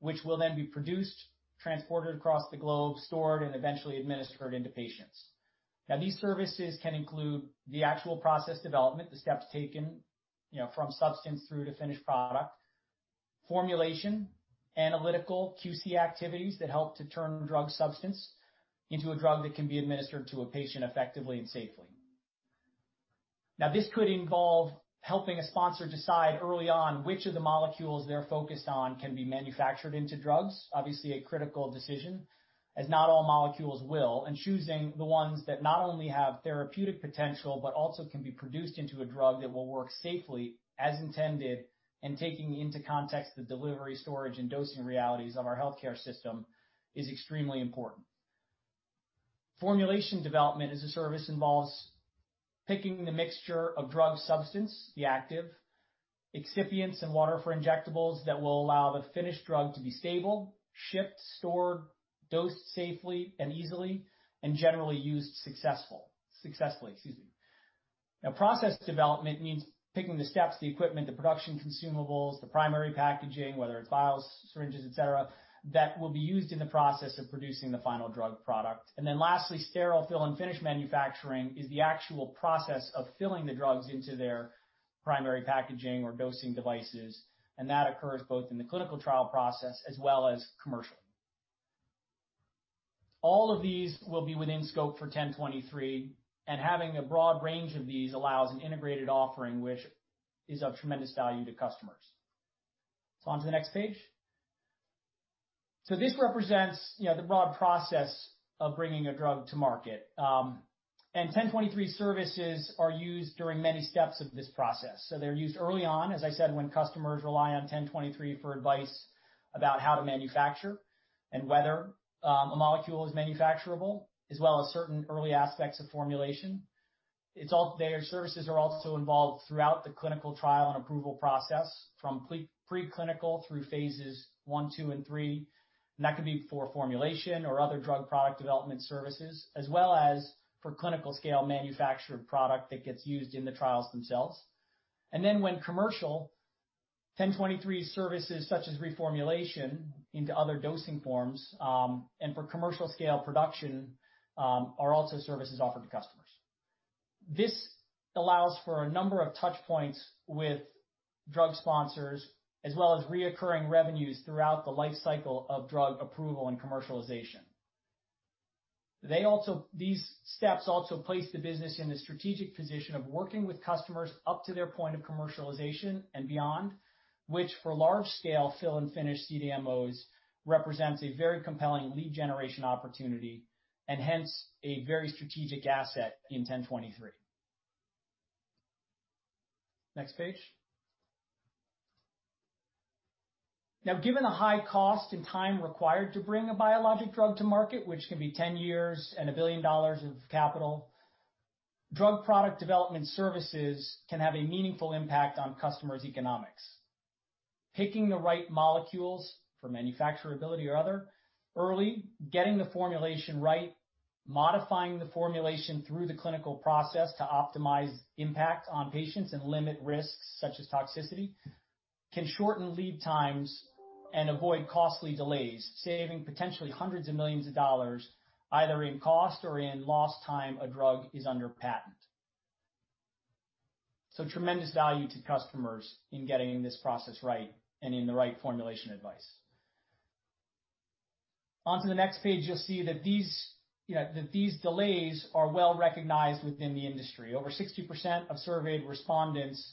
which will then be produced, transported across the globe, stored, and eventually administered into patients. These services can include the actual process development, the steps taken from substance through to finished product, formulation, analytical QC activities that help to turn drug substance into a drug that can be administered to a patient effectively and safely. This could involve helping a sponsor decide early on which of the molecules they're focused on can be manufactured into drugs. Obviously, a critical decision, as not all molecules will, and choosing the ones that not only have therapeutic potential, but also can be produced into a drug that will work safely as intended, and taking into context the delivery, storage, and dosing realities of our healthcare system is extremely important. Formulation development as a service involves picking the mixture of drug substance, the active, excipients and water for injectables that will allow the finished drug to be stable, shipped, stored, dosed safely and easily, and generally used successfully. Excuse me. Process development means picking the steps, the equipment, the production consumables, the primary packaging, whether it's vials, syringes, et cetera, that will be used in the process of producing the final drug product. Lastly, sterile fill and finish manufacturing is the actual process of filling the drugs into their primary packaging or dosing devices, and that occurs both in the clinical trial process as well as commercial. All of these will be within scope for 1023, and having a broad range of these allows an integrated offering, which is of tremendous value to customers. Onto the next page. This represents the broad process of bringing a drug to market. ten23 services are used during many steps of this process. They're used early on, as I said, when customers rely on ten23 for advice about how to manufacture and whether a molecule is manufacturable, as well as certain early aspects of formulation. Their services are also involved throughout the clinical trial and approval process from pre-clinical through phase I, II, and III, and that could be for formulation or other drug product development services, as well as for clinical scale manufactured product that gets used in the trials themselves. When commercial, ten23 services such as reformulation into other dosing forms, and for commercial scale production, are also services offered to customers. This allows for a number of touch points with drug sponsors as well as recurring revenues throughout the life cycle of drug approval and commercialization. These steps also place the business in a strategic position of working with customers up to their point of commercialization and beyond, which for large scale fill and finish CDMOs represents a very compelling lead generation opportunity and hence a very strategic asset in ten23 health. Next page. Given the high cost and time required to bring a biologic drug to market, which can be 10 years and $1 billion of capital, drug product development services can have a meaningful impact on customers' economics. Picking the right molecules for manufacturability or other early, getting the formulation right, modifying the formulation through the clinical process to optimize impact on patients and limit risks such as toxicity can shorten lead times and avoid costly delays, saving potentially hundreds of millions of dollars either in cost or in lost time a drug is under patent. Tremendous value to customers in getting this process right and in the right formulation advice. Onto the next page, you'll see that these delays are well-recognized within the industry. Over 60% of surveyed respondents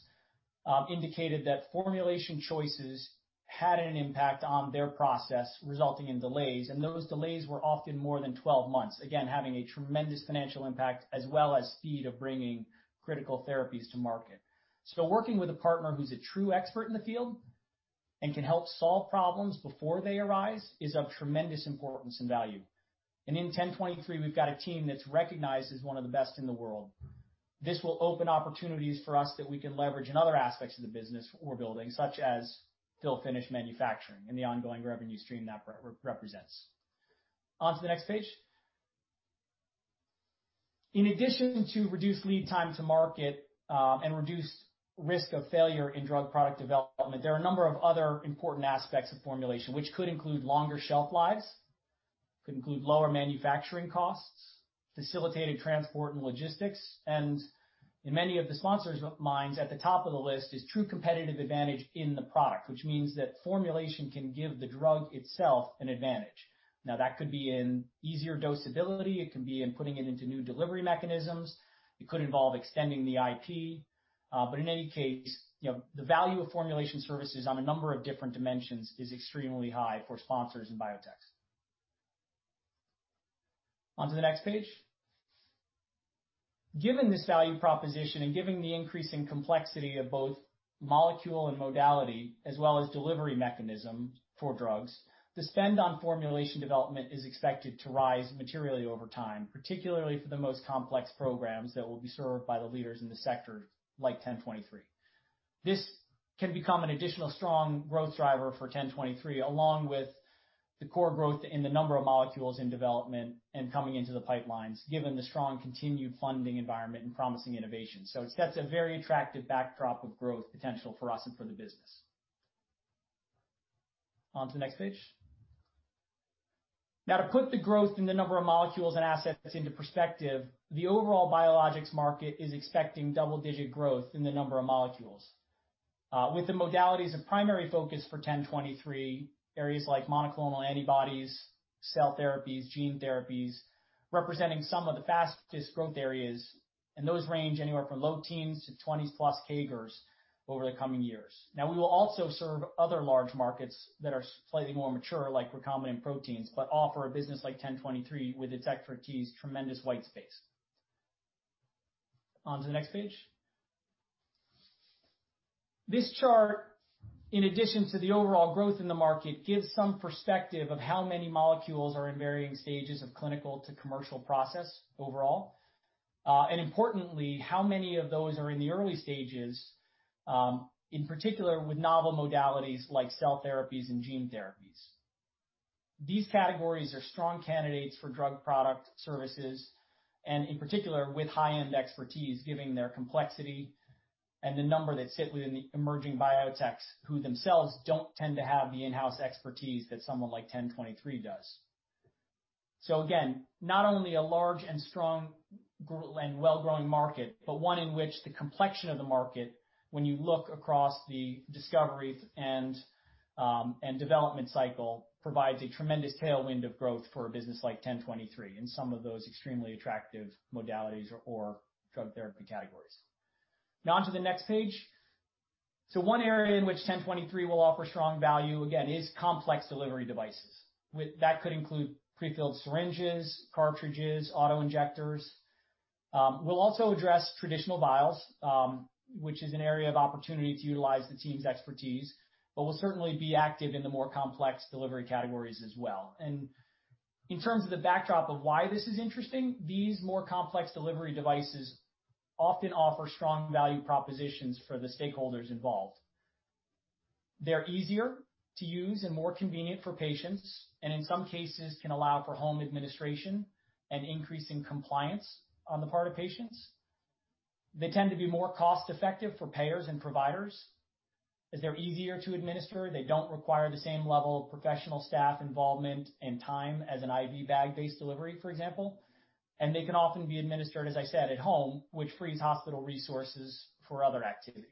indicated that formulation choices had an impact on their process, resulting in delays, and those delays were often more than 12 months, again, having a tremendous financial impact as well as speed of bringing critical therapies to market. Working with a partner who's a true expert in the field and can help solve problems before they arise is of tremendous importance and value. In ten23 health, we've got a team that's recognized as one of the best in the world. This will open opportunities for us that we can leverage in other aspects of the business we're building, such as fill-finish manufacturing and the ongoing revenue stream that represents. On to the next page. In addition to reduced lead time to market, and reduced risk of failure in drug product development, there are a number of other important aspects of formulation, which could include longer shelf lives, could include lower manufacturing costs, facilitated transport and logistics, and in many of the sponsors' minds, at the top of the list, is true competitive advantage in the product, which means that formulation can give the drug itself an advantage. Now, that could be in easier dosability, it can be in putting it into new delivery mechanisms, it could involve extending the IP, but in any case, the value of formulation services on a number of different dimensions is extremely high for sponsors and biotechs. On to the next page. Given this value proposition and given the increasing complexity of both molecule and modality as well as delivery mechanism for drugs, the spend on formulation development is expected to rise materially over time, particularly for the most complex programs that will be served by the leaders in the sector, like 1023. This can become an additional strong growth driver for 1023, along with the core growth in the number of molecules in development and coming into the pipelines, given the strong continued funding environment and promising innovation. That's a very attractive backdrop of growth potential for us and for the business. On to the next page. To put the growth in the number of molecules and assets into perspective, the overall biologics market is expecting double-digit growth in the number of molecules. With the modalities of primary focus for ten23 health, areas like monoclonal antibodies, cell therapies, gene therapies, representing some of the fastest growth areas, and those range anywhere from low teens to 20+ CAGRs over the coming years. We will also serve other large markets that are slightly more mature, like recombinant proteins, but offer a business like ten23 health, with its expertise, tremendous white space. On to the next page. This chart, in addition to the overall growth in the market, gives some perspective of how many molecules are in varying stages of clinical to commercial process overall. Importantly, how many of those are in the early stages, in particular with novel modalities like cell therapies and gene therapies. These categories are strong candidates for drug product services and in particular with high-end expertise, given their complexity and the number that sit within the emerging biotechs who themselves don't tend to have the in-house expertise that someone like 1023 does. Again, not only a large and strong and well-growing market, but one in which the complexion of the market when you look across the discovery and development cycle provides a tremendous tailwind of growth for a business like 1023 in some of those extremely attractive modalities or drug therapy categories. Now on to the next page. One area in which 1023 will offer strong value, again, is complex delivery devices. That could include prefilled syringes, cartridges, auto-injectors. We'll also address traditional vials, which is an area of opportunity to utilize the team's expertise, but we'll certainly be active in the more complex delivery categories as well. In terms of the backdrop of why this is interesting, these more complex delivery devices often offer strong value propositions for the stakeholders involved. They're easier to use and more convenient for patients, and in some cases can allow for home administration and increasing compliance on the part of patients. They tend to be more cost-effective for payers and providers, as they're easier to administer, they don't require the same level of professional staff involvement and time as an IV bag-based delivery, for example, and they can often be administered, as I said, at home, which frees hospital resources for other activities.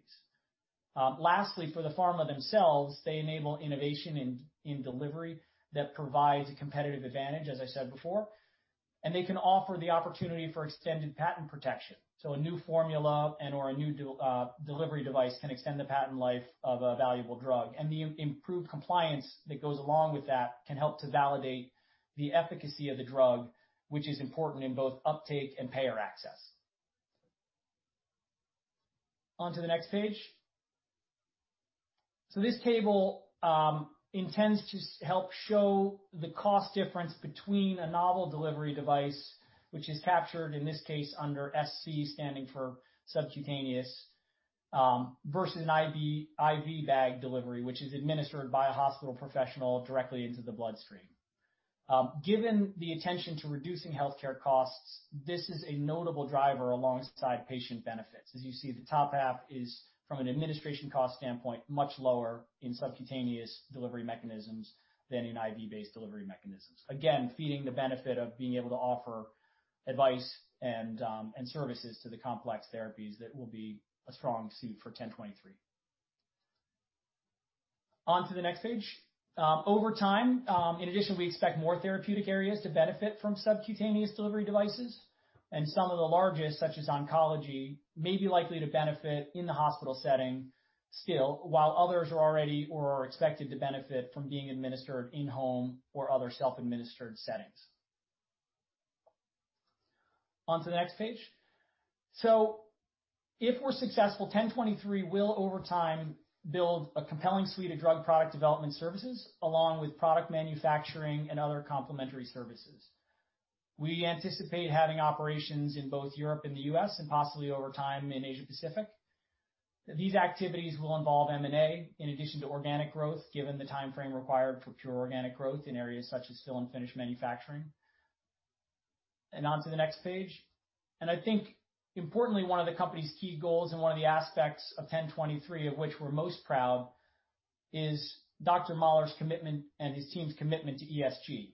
Lastly, for the pharma themselves, they enable innovation in delivery that provides a competitive advantage, as I said before, and they can offer the opportunity for extended patent protection. A new formula and/or a new delivery device can extend the patent life of a valuable drug, and the improved compliance that goes along with that can help to validate the efficacy of the drug, which is important in both uptake and payer access. On to the next page. This table intends to help show the cost difference between a novel delivery device, which is captured in this case under SC, standing for subcutaneous, versus an IV bag delivery, which is administered by a hospital professional directly into the bloodstream. Given the attention to reducing healthcare costs, this is a notable driver alongside patient benefits. As you see, the top half is, from an administration cost standpoint, much lower in subcutaneous delivery mechanisms than in IV-based delivery mechanisms. Again, feeding the benefit of being able to offer advice and services to the complex therapies that will be a strong suit for 1023. On to the next page. Over time, in addition, we expect more therapeutic areas to benefit from subcutaneous delivery devices, and some of the largest, such as oncology, may be likely to benefit in the hospital setting still, while others are already or are expected to benefit from being administered in-home or other self-administered settings. On to the next page. If we're successful, 1023 will, over time, build a compelling suite of drug product development services along with product manufacturing and other complementary services. We anticipate having operations in both Europe and the U.S. and possibly over time in Asia Pacific. These activities will involve M&A in addition to organic growth, given the timeframe required for pure organic growth in areas such as fill and finish manufacturing. On to the next page. I think importantly, one of the company's key goals and one of the aspects of 1023 of which we're most proud is Dr. Mahler's commitment and his team's commitment to ESG.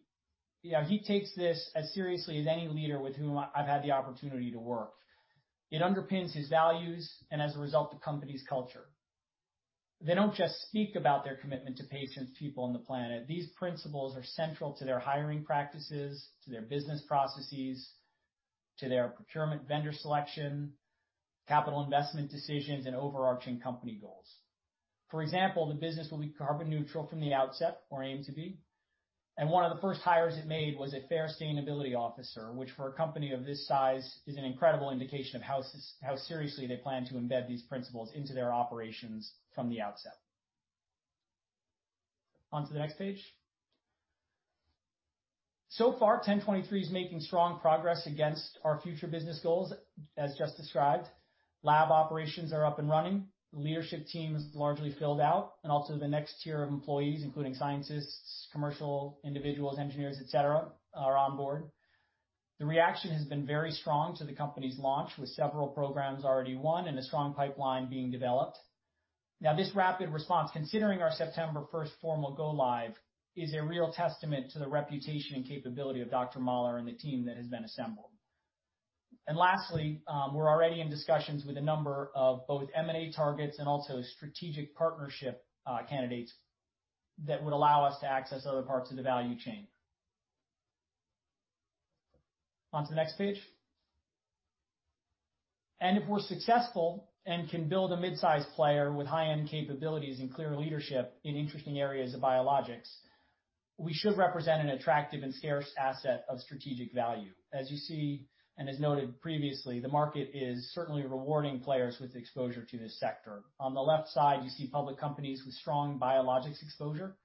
He takes this as seriously as any leader with whom I've had the opportunity to work. It underpins his values and as a result, the company's culture. They don't just speak about their commitment to patients, people, and the planet. These principles are central to their hiring practices, to their business processes, to their procurement vendor selection, capital investment decisions, and overarching company goals. For example, the business will be carbon neutral from the outset or aim to be, and one of the first hires it made was a fair sustainability officer, which for a company of this size is an incredible indication of how seriously they plan to embed these principles into their operations from the outset. On to the next page. Far, ten23 health is making strong progress against our future business goals as just described. Lab operations are up and running, leadership team is largely filled out, and also the next tier of employees, including scientists, commercial individuals, engineers, et cetera, are on board. The reaction has been very strong to the company's launch, with several programs already won and a strong pipeline being developed. This rapid response, considering our September 1st formal go live, is a real testament to the reputation and capability of Dr. Mahler and the team that has been assembled. Lastly, we're already in discussions with a number of both M&A targets and also strategic partnership candidates that would allow us to access other parts of the value chain. On to the next page. If we're successful and can build a mid-size player with high-end capabilities and clear leadership in interesting areas of biologics, we should represent an attractive and scarce asset of strategic value. As you see, and as noted previously, the market is certainly rewarding players with exposure to this sector. On the left side, you see public companies with strong biologics exposure,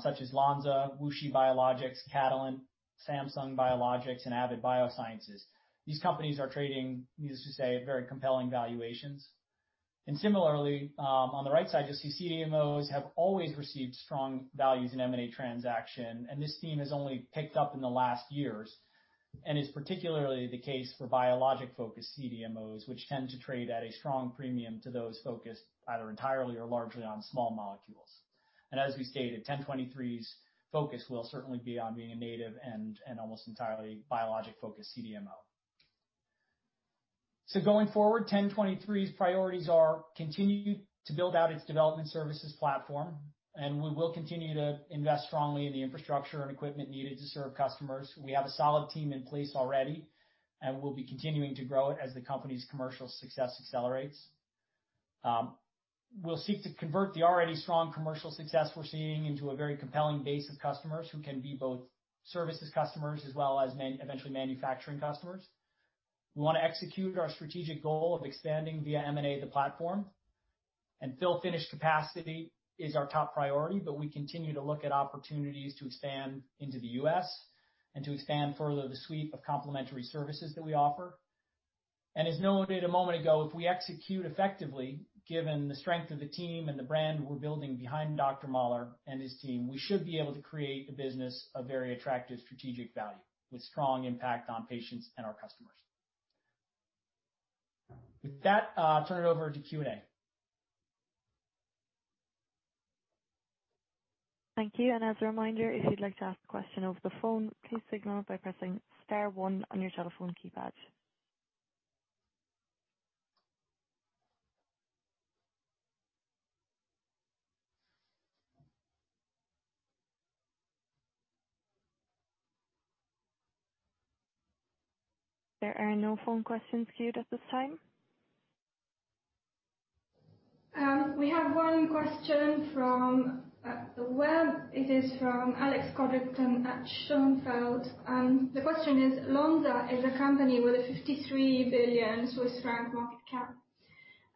such as Lonza, WuXi Biologics, Catalent, Samsung Biologics, and Avid Bioservices. These companies are trading, needless to say, at very compelling valuations. Similarly, on the right side, you'll see CDMOs have always received strong values in M&A transaction, and this theme has only picked up in the last years and is particularly the case for biologic-focused CDMOs, which tend to trade at a strong premium to those focused either entirely or largely on small molecules. As we stated, 1023's focus will certainly be on being a native and almost entirely biologic-focused CDMO. Going forward, 1023's priorities are continue to build out its development services platform, and we will continue to invest strongly in the infrastructure and equipment needed to serve customers. We have a solid team in place already, and we'll be continuing to grow it as the company's commercial success accelerates. We'll seek to convert the already strong commercial success we're seeing into a very compelling base of customers who can be both services customers as well as eventually manufacturing customers. We want to execute our strategic goal of expanding via M&A the platform, and fill finish capacity is our top priority, but we continue to look at opportunities to expand into the U.S. and to expand further the suite of complementary services that we offer. As noted a moment ago, if we execute effectively, given the strength of the team and the brand we're building behind Dr. Mahler and his team, we should be able to create a business of very attractive strategic value with strong impact on patients and our customers. With that, I'll turn it over to Q&A. Thank you. And as a reminder, if you'd like to ask a question over the phone, please signal by pressing star one on your telephone keypad. There are no phone questions queued at this time. We have one question from the web. It is from Alex Codrington at Schonfeld. The question is, Lonza is a company with a 53 billion Swiss franc market cap,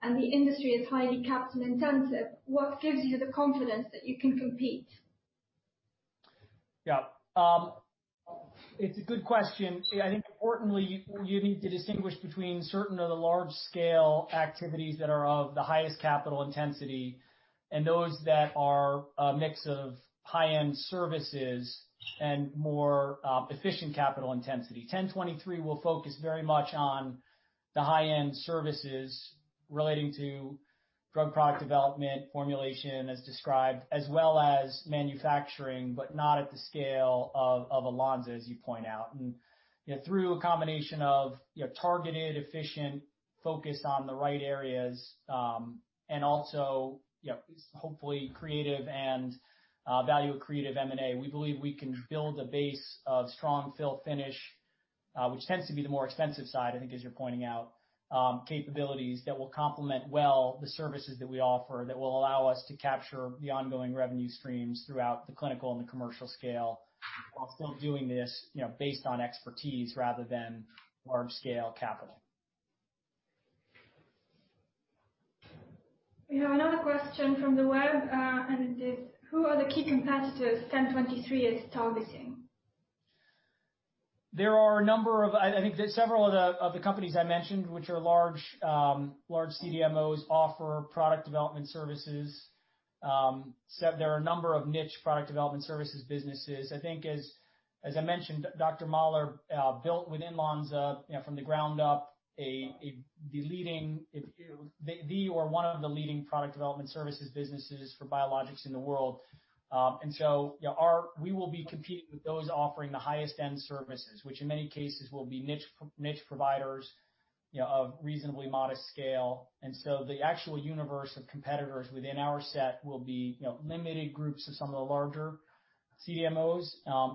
and the industry is highly capital-intensive. What gives you the confidence that you can compete? Yeah. It's a good question. I think importantly, you need to distinguish between certain of the large-scale activities that are of the highest capital intensity and those that are a mix of high-end services and more efficient capital intensity. Ten23 will focus very much on the high-end services relating to drug product development, formulation as described, as well as manufacturing, but not at the scale of a Lonza, as you point out. Through a combination of targeted, efficient, focused on the right areas, and also hopefully creative and value creative M&A, we believe we can build a base of strong fill finish, which tends to be the more expensive side, I think as you're pointing out, capabilities that will complement well the services that we offer that will allow us to capture the ongoing revenue streams throughout the clinical and the commercial scale while still doing this based on expertise rather than large-scale capital. We have another question from the web, it is: who are the key competitors ten23 health is targeting? I think that several of the companies I mentioned, which are large CDMOs, offer product development services. There are a number of niche product development services businesses. I think, as I mentioned, Dr. Mahler built within Lonza, from the ground up, one of the leading product development services businesses for biologics in the world. We will be competing with those offering the highest end services, which in many cases will be niche providers of reasonably modest scale. The actual universe of competitors within our set will be limited groups of some of the larger CDMOs,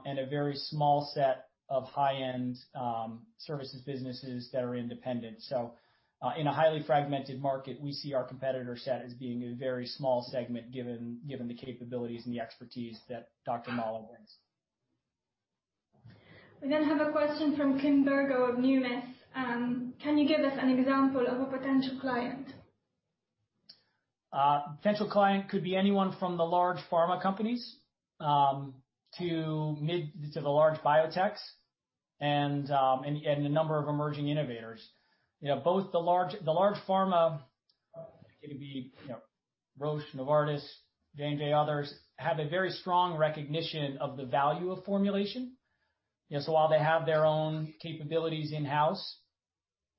and a very small set of high-end services businesses that are independent. In a highly fragmented market, we see our competitor set as being a very small segment, given the capabilities and the expertise that Dr. Mahler brings. We have a question from Kim Burgo of Numis. Can you give us an example of a potential client? A potential client could be anyone from the large pharma companies, to the large biotechs and a number of emerging innovators. Both the large pharma, it could be Roche, Novartis, J&J, others, have a very strong recognition of the value of formulation. While they have their own capabilities in-house,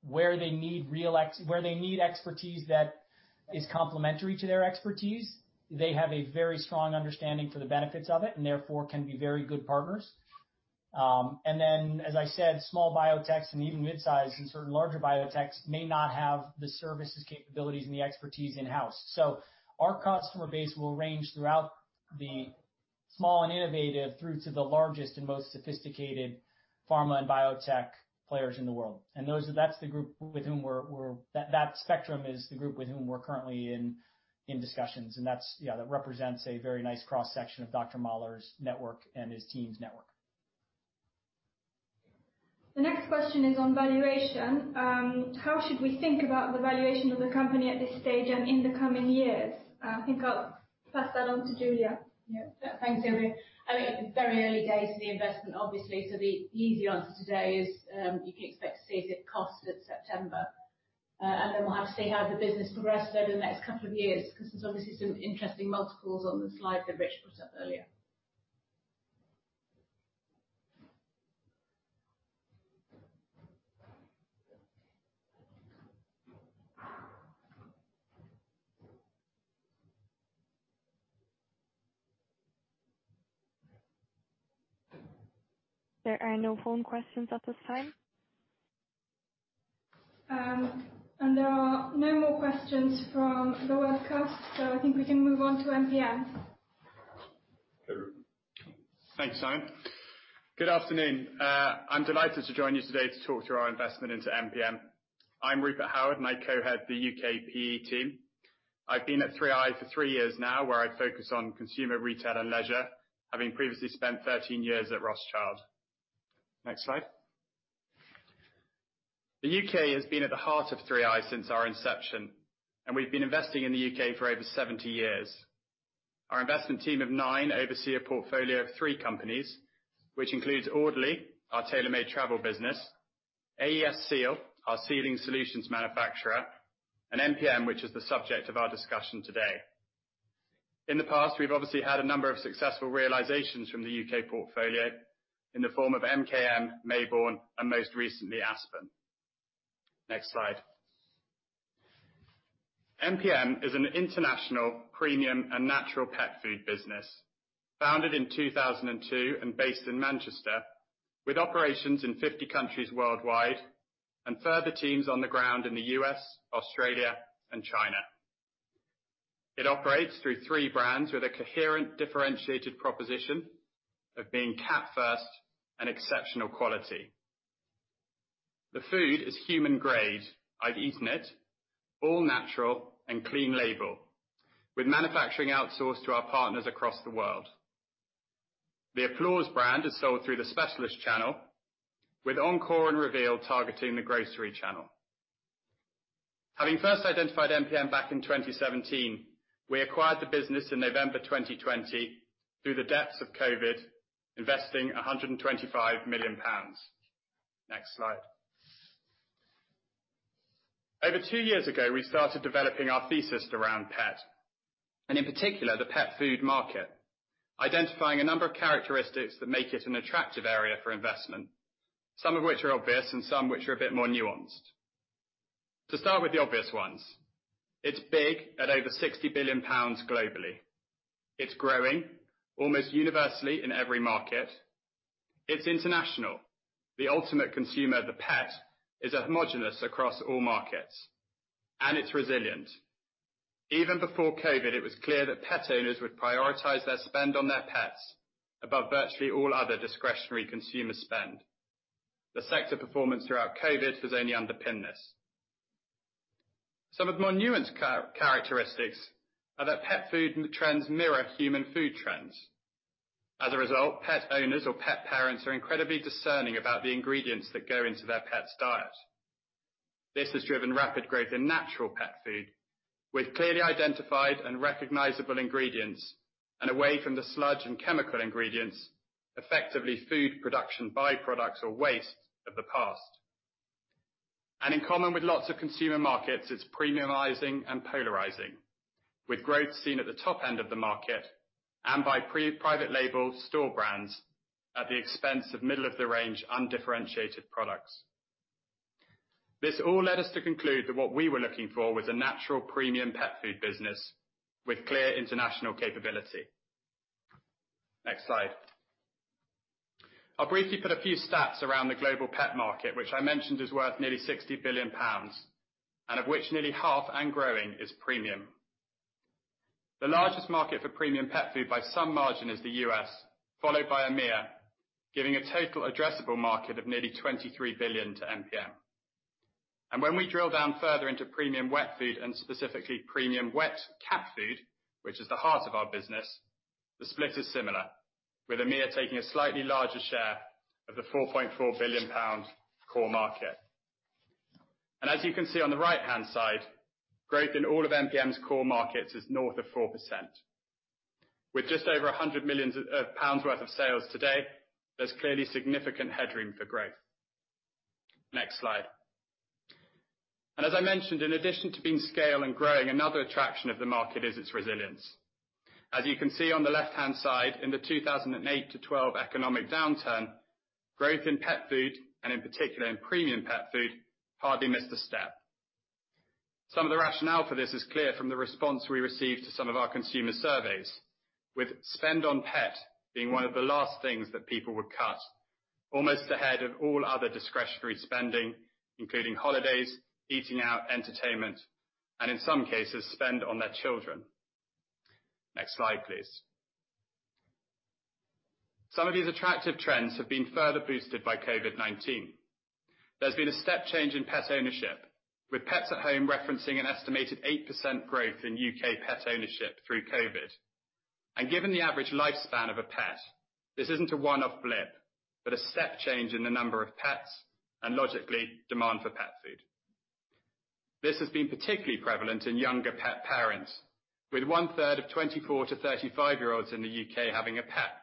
where they need expertise that is complementary to their expertise, they have a very strong understanding for the benefits of it and therefore can be very good partners. Then as I said, small biotechs and even mid-size and certain larger biotechs may not have the services capabilities and the expertise in-house. Our customer base will range throughout the small and innovative through to the largest and most sophisticated pharma and biotech players in the world. That spectrum is the group with whom we're currently in discussions. That represents a very nice cross-section of Dr. Mahler's network and his team's network. The next question is on valuation. How should we think about the valuation of the company at this stage and in the coming years? I think I'll pass that on to Julia. Yeah. Thanks, Debbie. I mean, very early days for the investment, obviously. The easy answer today is, you can expect to see as it costs this September. Then we'll have to see how the business progresses over the next couple of years, because there's obviously some interesting multiples on the slide that Rich put up earlier. There are no phone questions at this time. There are no more questions from the webcast, so I think we can move on to MPM. Hey. Thanks, Simon. Good afternoon. I'm delighted to join you today to talk through our investment into MPM. I'm Rupert Howard, and I co-head the U.K. PE team. I've been at 3i for three years now, where I focus on consumer retail and leisure, having previously spent 13 years at Rothschild. Next slide. The U.K. has been at the heart of 3i since our inception, and we've been investing in the U.K. for over 70 years. Our investment team of nine oversee a portfolio of three companies, which includes Audley, our tailormade travel business, AESSEAL, our sealing solutions manufacturer, and MPM, which is the subject of our discussion today. In the past, we've obviously had a number of successful realizations from the U.K. portfolio in the form of MKM, Mayborn, and most recently, Aspen. Next slide. MPM is an international premium and natural pet food business, founded in 2002 and based in Manchester, with operations in 50 countries worldwide, and further teams on the ground in the U.S., Australia, and China. It operates through three brands with a coherent, differentiated proposition of being cat first and exceptional quality. The food is human grade, I've eaten it, all natural and clean label. With manufacturing outsourced to our partners across the world. The Applaws brand is sold through the specialist channel, with Encore and Reveal targeting the grocery channel. Having first identified MPM back in 2017, we acquired the business in November 2020 through the depths of COVID, investing 125 million pounds. Next slide. Over two years ago, we started developing our thesis around pet, and in particular, the pet food market, identifying a number of characteristics that make it an attractive area for investment, some of which are obvious and some which are a bit more nuanced. To start with the obvious ones, it's big at over 60 billion pounds globally. It's growing almost universally in every market. It's international. The ultimate consumer, the pet, is homogenous across all markets, and it's resilient. Even before COVID, it was clear that pet owners would prioritize their spend on their pets above virtually all other discretionary consumer spend. The sector performance throughout COVID has only underpinned this. Some of the more nuanced characteristics are that pet food trends mirror human food trends. As a result, pet owners or pet parents are incredibly discerning about the ingredients that go into their pet's diet. This has driven rapid growth in natural pet food with clearly identified and recognizable ingredients, away from the sludge and chemical ingredients, effectively food production byproducts or waste of the past. In common with lots of consumer markets, it's premiumizing and polarizing, with growth seen at the top end of the market and by private label store brands at the expense of middle-of-the-range undifferentiated products. This all led us to conclude that what we were looking for was a natural premium pet food business with clear international capability. Next slide. I'll briefly put a few stats around the global pet market, which I mentioned is worth nearly GBP 60 billion, and of which nearly half and growing is premium. The largest market for premium pet food by some margin is the U.S., followed by EMEA, giving a total addressable market of nearly 23 billion to MPM. When we drill down further into premium wet food and specifically premium wet cat food, which is the heart of our business, the split is similar, with EMEA taking a slightly larger share of the 4.4 billion pound core market. As you can see on the right-hand side, growth in all of MPM's core markets is north of 4%. With just over 100 million pounds worth of sales today, there's clearly significant headroom for growth. Next slide. As I mentioned, in addition to being scale and growing, another attraction of the market is its resilience. As you can see on the left-hand side, in the 2008-2012 economic downturn, growth in pet food, and in particular in premium pet food, hardly missed a step. Some of the rationale for this is clear from the response we received to some of our consumer surveys, with spend on pet being one of the last things that people would cut, almost ahead of all other discretionary spending, including holidays, eating out, entertainment, and in some cases, spend on their children. Next slide, please. Some of these attractive trends have been further boosted by COVID-19. There's been a step change in pet ownership, with Pets at Home referencing an estimated 8% growth in U.K. pet ownership through COVID. Given the average lifespan of a pet, this isn't a one-off blip, but a step change in the number of pets and logically, demand for pet food. This has been particularly prevalent in younger pet parents, with one-third of 24-35-year-olds in the U.K. having a pet.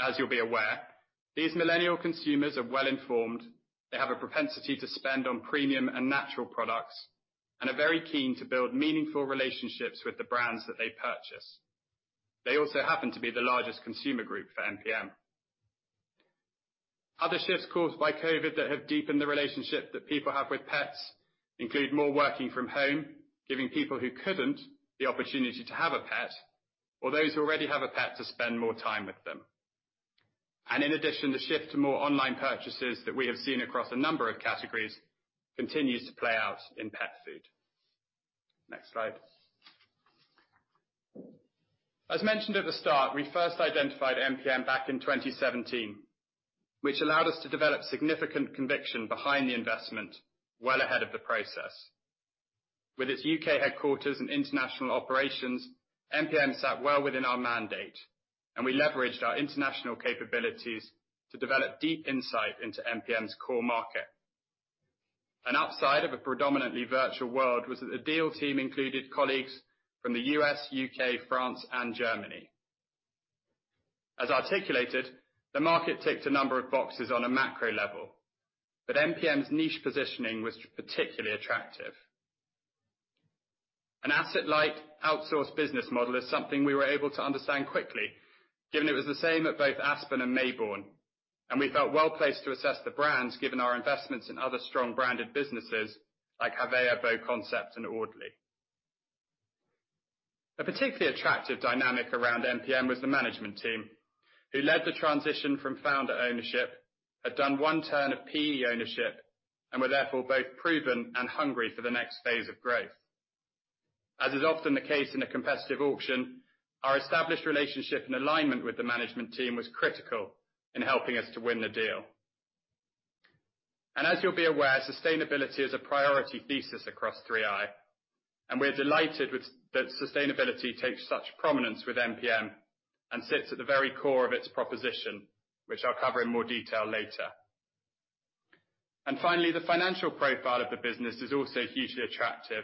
As you'll be aware, these millennial consumers are well-informed. They have a propensity to spend on premium and natural products, and are very keen to build meaningful relationships with the brands that they purchase. They also happen to be the largest consumer group for MPM. Other shifts caused by COVID that have deepened the relationship that people have with pets include more working from home, giving people who couldn't the opportunity to have a pet, or those who already have a pet to spend more time with them. In addition, the shift to more online purchases that we have seen across a number of categories continues to play out in pet food. Next slide. As mentioned at the start, we first identified MPM back in 2017, which allowed us to develop significant conviction behind the investment well ahead of the process. With its U.K. headquarters and international operations, MPM sat well within our mandate, and we leveraged our international capabilities to develop deep insight into MPM's core market. An upside of a predominantly virtual world was that the deal team included colleagues from the U.S., U.K., France, and Germany. As articulated, the market ticked a number of boxes on a macro level, but MPM's niche positioning was particularly attractive. An asset-light outsource business model is something we were able to understand quickly, given it was the same at both Aspen and Mayborn, and we felt well-placed to assess the brands given our investments in other strong branded businesses like AVEVA, BoConcept, and Audley. A particularly attractive dynamic around MPM was the management team, who led the transition from founder ownership, had done one turn of PE ownership and were therefore both proven and hungry for the next phase of growth. As is often the case in a competitive auction, our established relationship and alignment with the management team was critical in helping us to win the deal. As you'll be aware, sustainability is a priority thesis across 3i, and we're delighted that sustainability takes such prominence with MPM and sits at the very core of its proposition, which I'll cover in more detail later. Finally, the financial profile of the business is also hugely attractive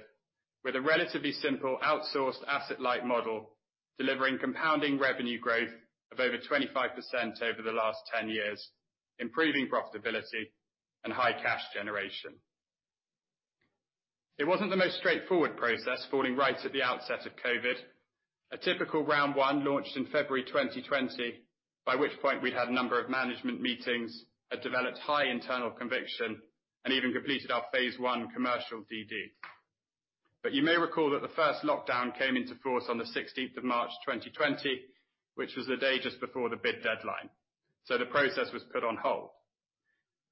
with a relatively simple outsourced asset-light model, delivering compounding revenue growth of over 25% over the last 10 years, improving profitability and high cash generation. It wasn't the most straightforward process falling right at the outset of COVID. A typical round one launched in February 2020, by which point we'd had a number of management meetings, had developed high internal conviction, and even completed our phase one commercial DD. You may recall that the first lockdown came into force on the 16th of March 2020, which was the day just before the bid deadline. The process was put on hold.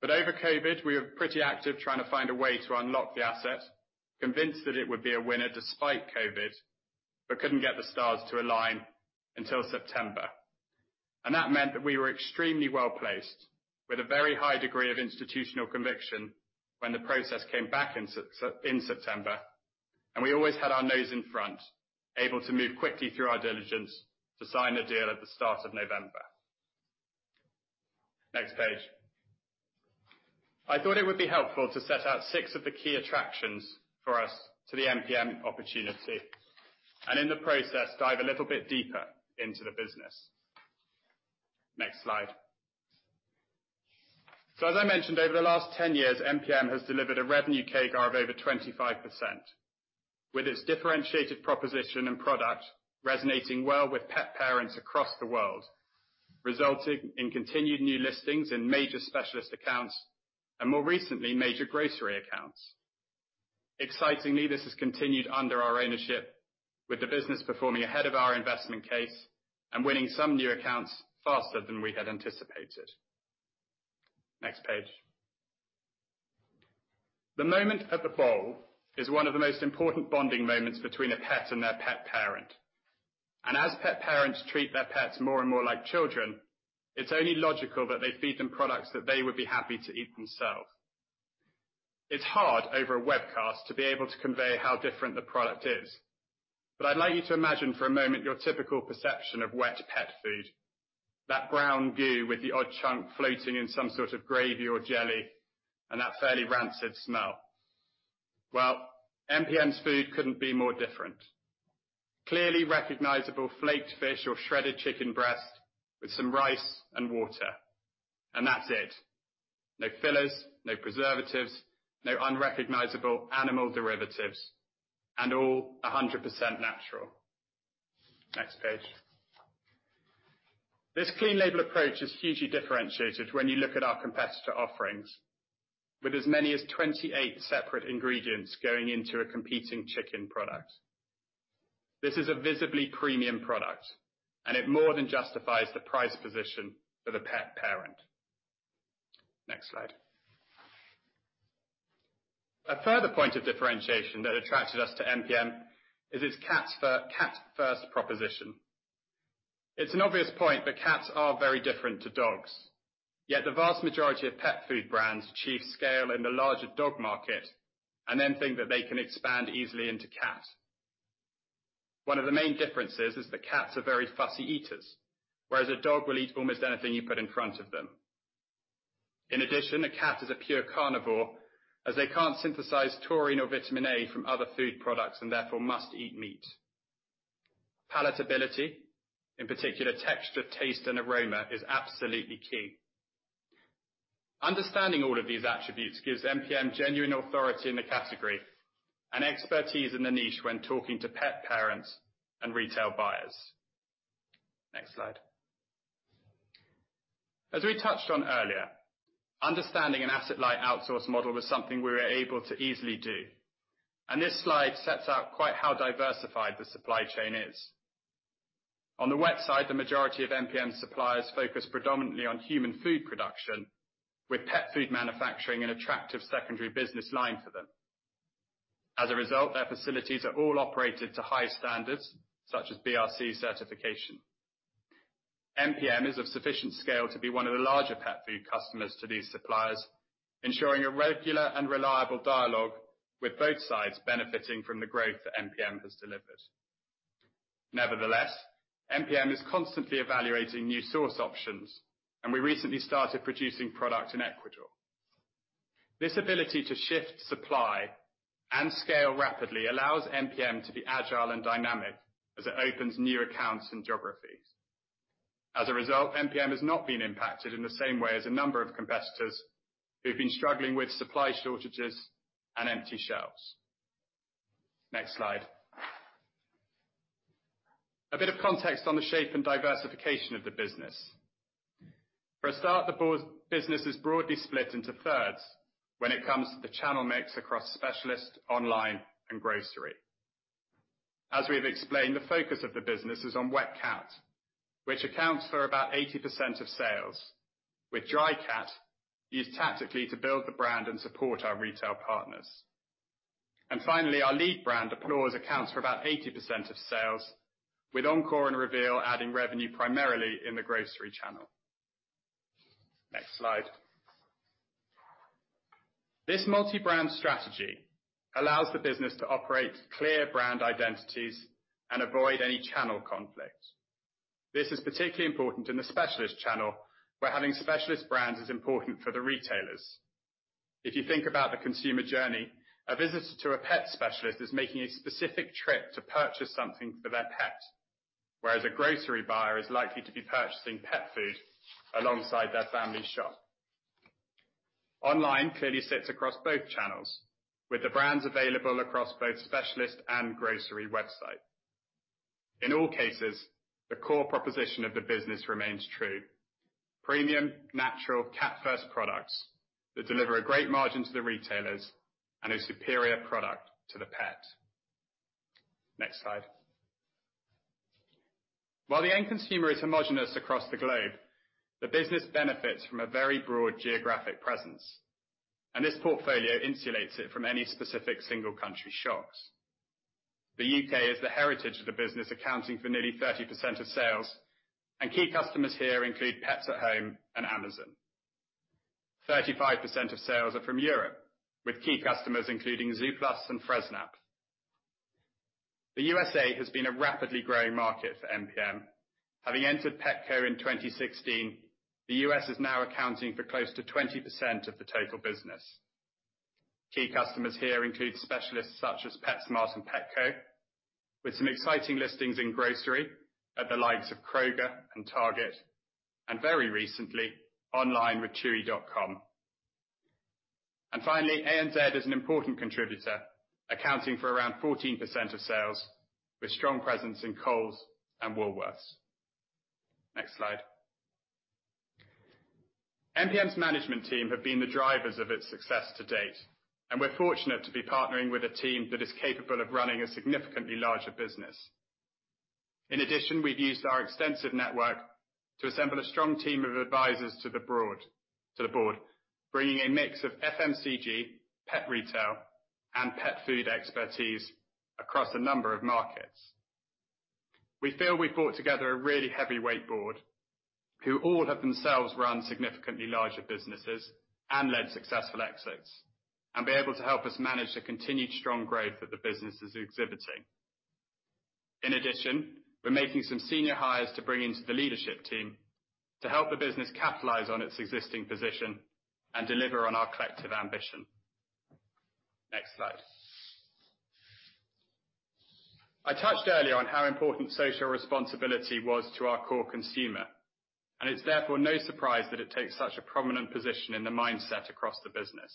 Over COVID, we were pretty active trying to find a way to unlock the asset, convinced that it would be a winner despite COVID, but couldn't get the stars to align until September. That meant that we were extremely well-placed with a very high degree of institutional conviction when the process came back in September. We always had our nose in front, able to move quickly through our diligence to sign the deal at the start of November. Next page. I thought it would be helpful to set out six of the key attractions for us to the MPM opportunity, and in the process, dive a little bit deeper into the business. Next slide. As I mentioned, over the last 10 years, MPM has delivered a revenue CAGR of over 25%, with its differentiated proposition and product resonating well with pet parents across the world, resulting in continued new listings in major specialist accounts and more recently, major grocery accounts. Excitingly, this has continued under our ownership with the business performing ahead of our investment case and winning some new accounts faster than we had anticipated. Next page. The moment of the bowl is one of the most important bonding moments between a pet and their pet parent. As pet parents treat their pets more and more like children, it's only logical that they feed them products that they would be happy to eat themselves. It's hard over a webcast to be able to convey how different the product is. I'd like you to imagine for a moment your typical perception of wet pet food. That brown goo with the odd chunk floating in some sort of gravy or jelly, and that fairly rancid smell. Well, MPM's food couldn't be more different. Clearly recognizable flaked fish or shredded chicken breast with some rice and water. That's it. No fillers, no preservatives, no unrecognizable animal derivatives, and all 100% natural. Next page. This clean label approach is hugely differentiated when you look at our competitor offerings with as many as 28 separate ingredients going into a competing chicken product. This is a visibly premium product, and it more than justifies the price position for the pet parent. Next slide. A further point of differentiation that attracted us to MPM is its cats first proposition. It's an obvious point, but cats are very different to dogs. The vast majority of pet food brands achieve scale in the larger dog market and then think that they can expand easily into cat. One of the main differences is that cats are very fussy eaters, whereas a dog will eat almost anything you put in front of them. A cat is a pure carnivore as they can't synthesize taurine or vitamin A from other food products, and therefore must eat meat. Palatability, in particular, texture, taste, and aroma, is absolutely key. Understanding all of these attributes gives MPM genuine authority in the category and expertise in the niche when talking to pet parents and retail buyers. Next slide. We touched on earlier, understanding an asset-light outsource model was something we were able to easily do, and this slide sets out quite how diversified the supply chain is. On the wet side, the majority of MPM suppliers focus predominantly on human food production, with pet food manufacturing an attractive secondary business line for them. As a result, their facilities are all operated to high standards, such as BRC certification. MPM is of sufficient scale to be one of the larger pet food customers to these suppliers, ensuring a regular and reliable dialogue with both sides benefiting from the growth that MPM has delivered. Nevertheless, MPM is constantly evaluating new source options, and we recently started producing product in Ecuador. This ability to shift supply and scale rapidly allows MPM to be agile and dynamic as it opens new accounts and geographies. As a result, MPM has not been impacted in the same way as a number of competitors who've been struggling with supply shortages and empty shelves. Next slide. A bit of context on the shape and diversification of the business. For a start, the business is broadly split into thirds when it comes to the channel mix across specialist, online, and grocery. As we have explained, the focus of the business is on wet cat, which accounts for about 80% of sales. With dry cat used tactically to build the brand and support our retail partners. Finally, our lead brand Applaws accounts for about 80% of sales with Encore and Reveal adding revenue primarily in the grocery channel. Next slide. This multi-brand strategy allows the business to operate clear brand identities and avoid any channel conflict. This is particularly important in the specialist channel, where having specialist brands is important for the retailers. If you think about the consumer journey, a visitor to a pet specialist is making a specific trip to purchase something for their pet. A grocery buyer is likely to be purchasing pet food alongside their family shop. Online clearly sits across both channels with the brands available across both specialist and grocery websites. In all cases, the core proposition of the business remains true. Premium natural cats first products that deliver a great margin to the retailers and a superior product to the pet. Next slide. While the end consumer is homogenous across the globe, the business benefits from a very broad geographic presence, and this portfolio insulates it from any specific single country shocks. The U.K. is the heritage of the business, accounting for nearly 30% of sales. Key customers here include Pets at Home and Amazon. 35% of sales are from Europe, with key customers including Zooplus and Fressnapf. The U.S.A. has been a rapidly growing market for MPM. Having entered Petco in 2016, the U.S. is now accounting for close to 20% of the total business. Key customers here include specialists such as PetSmart and Petco, with some exciting listings in grocery at the likes of Kroger and Target, and very recently, online with chewy.com. Finally, ANZ is an important contributor, accounting for around 14% of sales, with strong presence in Coles and Woolworths. Next slide. MPM's management team have been the drivers of its success to date, and we're fortunate to be partnering with a team that is capable of running a significantly larger business. In addition, we've used our extensive network to assemble a strong team of advisors to the board, bringing a mix of FMCG, pet retail, and pet food expertise across a number of markets. We feel we've brought together a really heavyweight board who all have themselves run significantly larger businesses and led successful exits, and be able to help us manage the continued strong growth that the business is exhibiting. In addition, we're making some senior hires to bring into the leadership team to help the business capitalize on its existing position and deliver on our collective ambition. Next slide. I touched earlier on how important social responsibility was to our core consumer, it's therefore no surprise that it takes such a prominent position in the mindset across the business.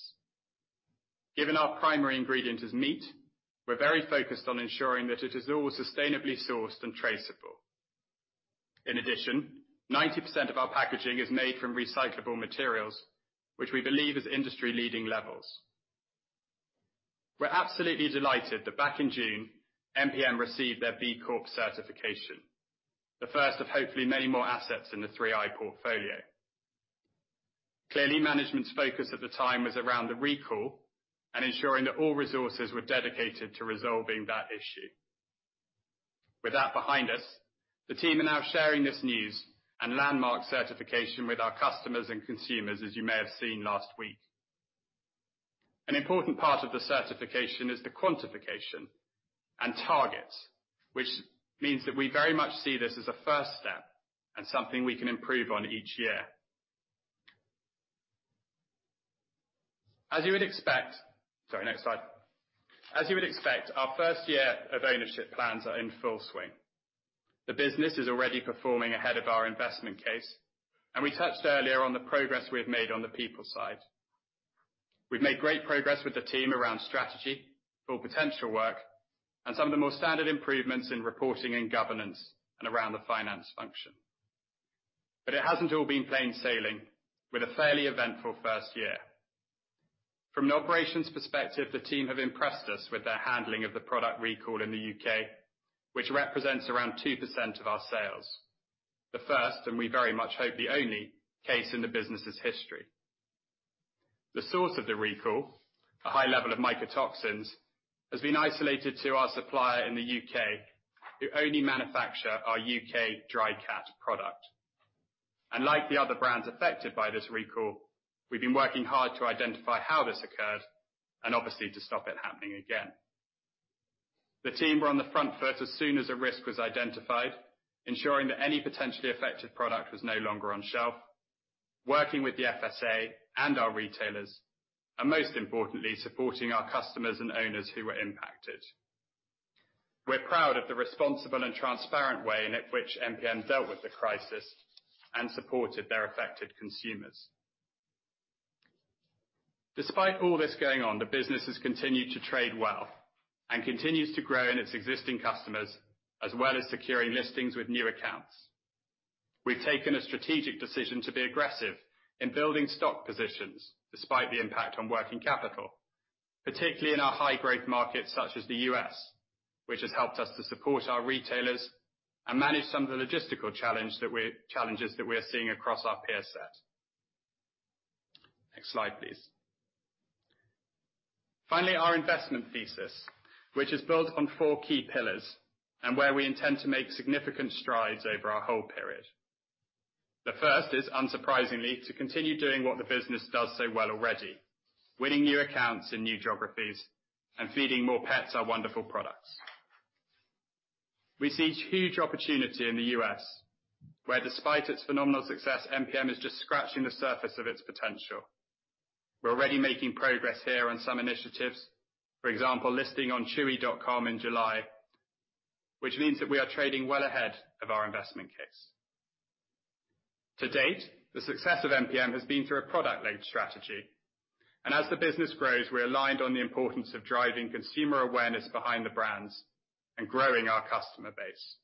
Given our primary ingredient is meat, we're very focused on ensuring that it is always sustainably sourced and traceable. In addition, 90% of our packaging is made from recyclable materials, which we believe is industry-leading levels. We're absolutely delighted that back in June, MPM received their B Corp certification, the first of hopefully many more assets in the 3i portfolio. Management's focus at the time was around the recall and ensuring that all resources were dedicated to resolving that issue. With that behind us, the team are now sharing this news and landmark certification with our customers and consumers, as you may have seen last week. An important part of the certification is the quantification and targets, which means that we very much see this as a first step and something we can improve on each year. As you would expect, our first year of ownership plans are in full swing. The business is already performing ahead of our investment case, and we touched earlier on the progress we've made on the people side. We've made great progress with the team around strategy for potential work, and some of the more standard improvements in reporting and governance and around the finance function. It hasn't all been plain sailing, with a fairly eventful first year. From an operations perspective, the team have impressed us with their handling of the product recall in the U.K., which represents around 2% of our sales. The first, and we very much hope the only, case in the business's history. The source of the recall, a high level of mycotoxins, has been isolated to our supplier in the U.K., who only manufacture our U.K. dry cat product. Like the other brands affected by this recall, we've been working hard to identify how this occurred and obviously to stop it happening again. The team were on the front foot as soon as a risk was identified, ensuring that any potentially affected product was no longer on shelf, working with the FSA and our retailers, and most importantly, supporting our customers and owners who were impacted. We're proud of the responsible and transparent way in which MPM dealt with the crisis and supported their affected consumers. Despite all this going on, the business has continued to trade well and continues to grow in its existing customers, as well as securing listings with new accounts. We've taken a strategic decision to be aggressive in building stock positions despite the impact on working capital, particularly in our high-growth markets such as the U.S., which has helped us to support our retailers and manage some of the logistical challenges that we're seeing across our peer set. Next slide, please. Finally, our investment thesis, which is built on four key pillars, and where we intend to make significant strides over our whole period. The first is, unsurprisingly, to continue doing what the business does so well already, winning new accounts in new geographies and feeding more pets our wonderful products. We see huge opportunity in the U.S., where despite its phenomenal success, MPM is just scratching the surface of its potential. We're already making progress here on some initiatives. For example, listing on chewy.com in July, which means that we are trading well ahead of our investment case. To date, the success of MPM has been through a product-led strategy, and as the business grows, we're aligned on the importance of driving consumer awareness behind the brands and growing our customer base.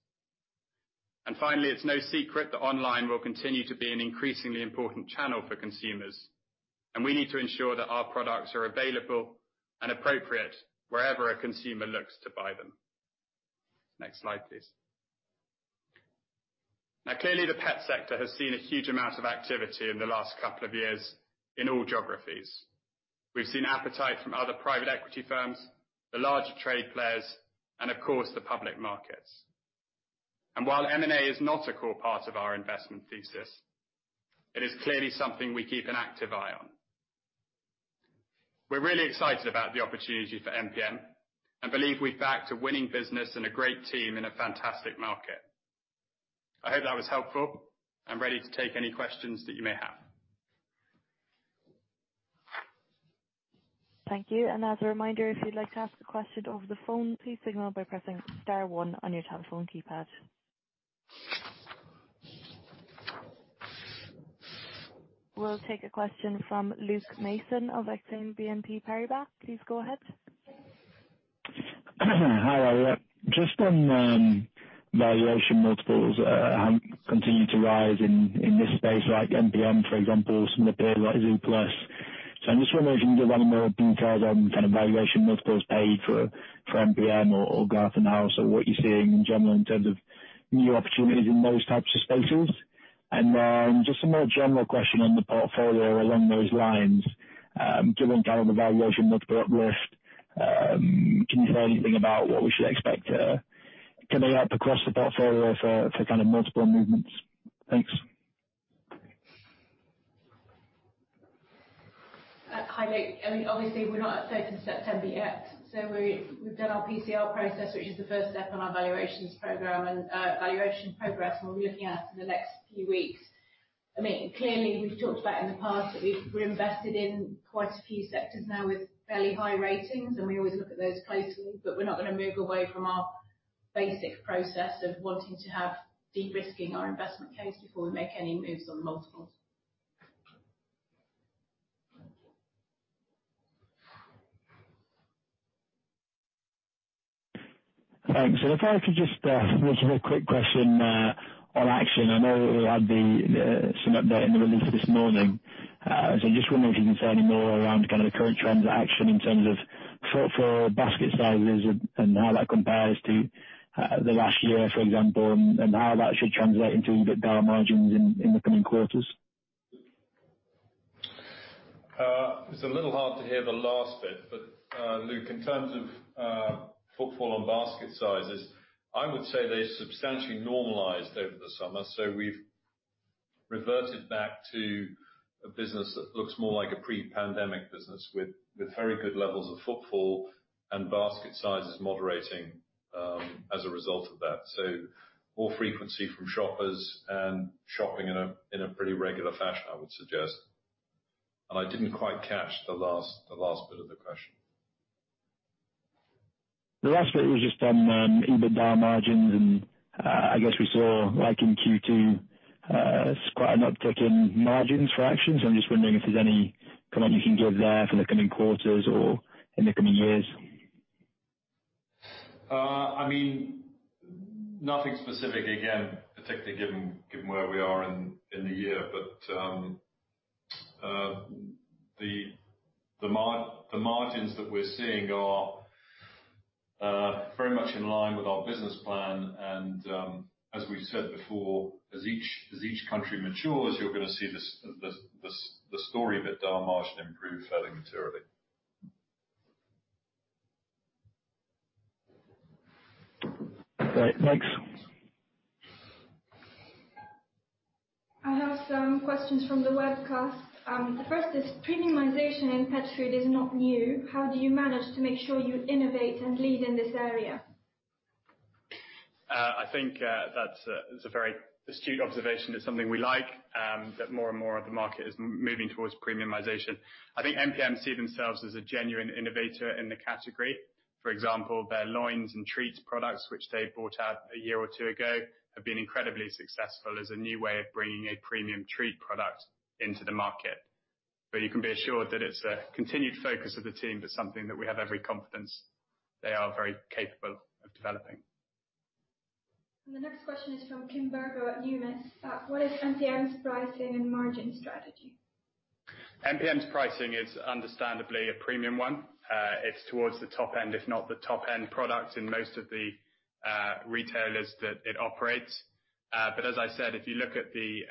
Finally, it's no secret that online will continue to be an increasingly important channel for consumers, and we need to ensure that our products are available and appropriate wherever a consumer looks to buy them. Next slide, please. Clearly, the pet sector has seen a huge amount of activity in the last couple of years in all geographies. We've seen appetite from other private equity firms, the larger trade players, and of course, the public markets. While M&A is not a core part of our investment thesis, it is clearly something we keep an active eye on. We're really excited about the opportunity for MPM and believe we're backed a winning business and a great team in a fantastic market. I hope that was helpful, and ready to take any questions that you may have. Thank you. As a reminder, if you'd like to ask a question over the phone, please signal by pressing star one on your telephone keypad. We'll take a question from Luke Mason of Exane BNP Paribas. Please go ahead. Hi. Just on valuation multiples, have continued to rise in this space like MPM, for example, some of the peers like Zooplus. I'm just wondering if you can give any more details on kind of valuation multiples paid for MPM or GartenHaus or what you're seeing in general in terms of new opportunities in those types of spaces. Just a more general question on the portfolio along those lines. Given kind of the valuation multiple uplift, can you say anything about what we should expect coming up across the portfolio for kind of multiple movements? Thanks. We're not updated to September yet, so we've done our PCR process, which is the first step on our valuations program and valuation progress, and we're looking at in the next few weeks. We've talked about in the past that we're invested in quite a few sectors now with fairly high ratings, and we always look at those closely, but we're not going to move away from our basic process of wanting to have de-risking our investment case before we make any moves on multiples. Thanks. If I could just ask a real quick question on Action. I know we had some update in the release this morning. Just wondering if you can say any more around kind of the current trends at Action in terms of footfall, basket sizes and how that compares to the last year, for example, and how that should translate into EBITDA margins in the coming quarters. It's a little hard to hear the last bit. Luke, in terms of footfall on basket sizes, I would say they substantially normalized over the summer. We've reverted back to a business that looks more like a pre-pandemic business with very good levels of footfall and basket sizes moderating as a result of that. More frequency from shoppers and shopping in a pretty regular fashion, I would suggest. I didn't quite catch the last bit of the question. The last bit was just on EBITDA margins. I guess we saw like in Q2, quite an uptick in margins for Action. I'm just wondering if there's any comment you can give there for the coming quarters or in the coming years. Nothing specific again, particularly given where we are in the year, but the margins that we're seeing are very much in line with our business plan and, as we've said before, as each country matures, you're going to see the story of EBITDA margin improve fairly materially. Great. Thanks. I have some questions from the webcast. The first is, premiumization in pet food is not new. How do you manage to make sure you innovate and lead in this area? I think that's a very astute observation. It's something we like, that more and more of the market is moving towards premiumization. I think MPM see themselves as a genuine innovator in the category. For example, their loins and treats products, which they bought out a year or two ago, have been incredibly successful as a new way of bringing a premium treat product into the market. You can be assured that it's a continued focus of the team, but something that we have every confidence they are very capable of developing. The next question is from Kim Burgo at Numis. What is MPM's pricing and margin strategy? MPM's pricing is understandably a premium one. It's towards the top end, if not the top end product in most of the retailers that it operates. As I said, if you look at the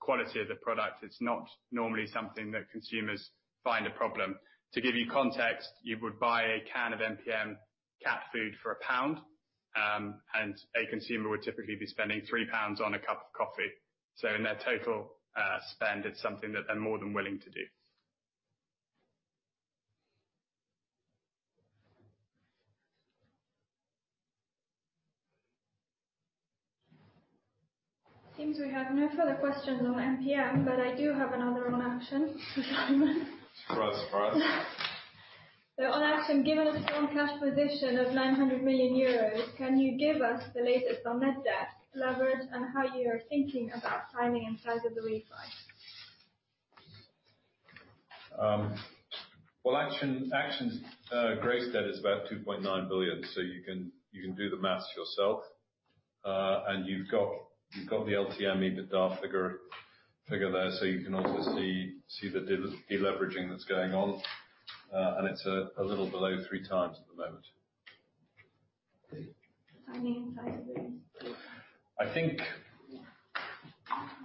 quality of the product, it's not normally something that consumers find a problem. To give you context, you would buy a can of MPM cat food for GBP 1, and a consumer would typically be spending 3 pounds on a cup of coffee. In their total spend, it's something that they're more than willing to do. Seems we have no further questions on MPM, but I do have another on Action. Surprise, surprise. On Action, given the strong cash position of 900 million euros, can you give us the latest on net debt leverage and how you are thinking about timing and size of the refi? Action's gross debt is about 2.9 billion, so you can do the math yourself. You've got the LTM EBITDA figure there, so you can obviously see the de-leveraging that's going on. It's a little below 3x at the moment. Timing and size of the refi. I think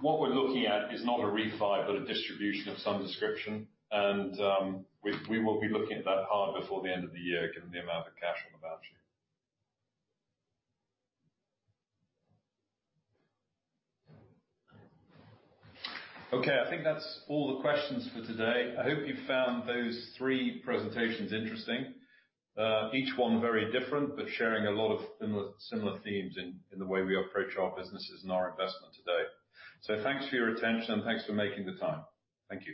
what we're looking at is not a refi, but a distribution of some description. We will be looking at that hard before the end of the year, given the amount of cash on the balance sheet. Okay. I think that's all the questions for today. I hope you found those three presentations interesting. Each one very different, but sharing a lot of similar themes in the way we approach our businesses and our investment today. Thanks for your attention and thanks for making the time. Thank you.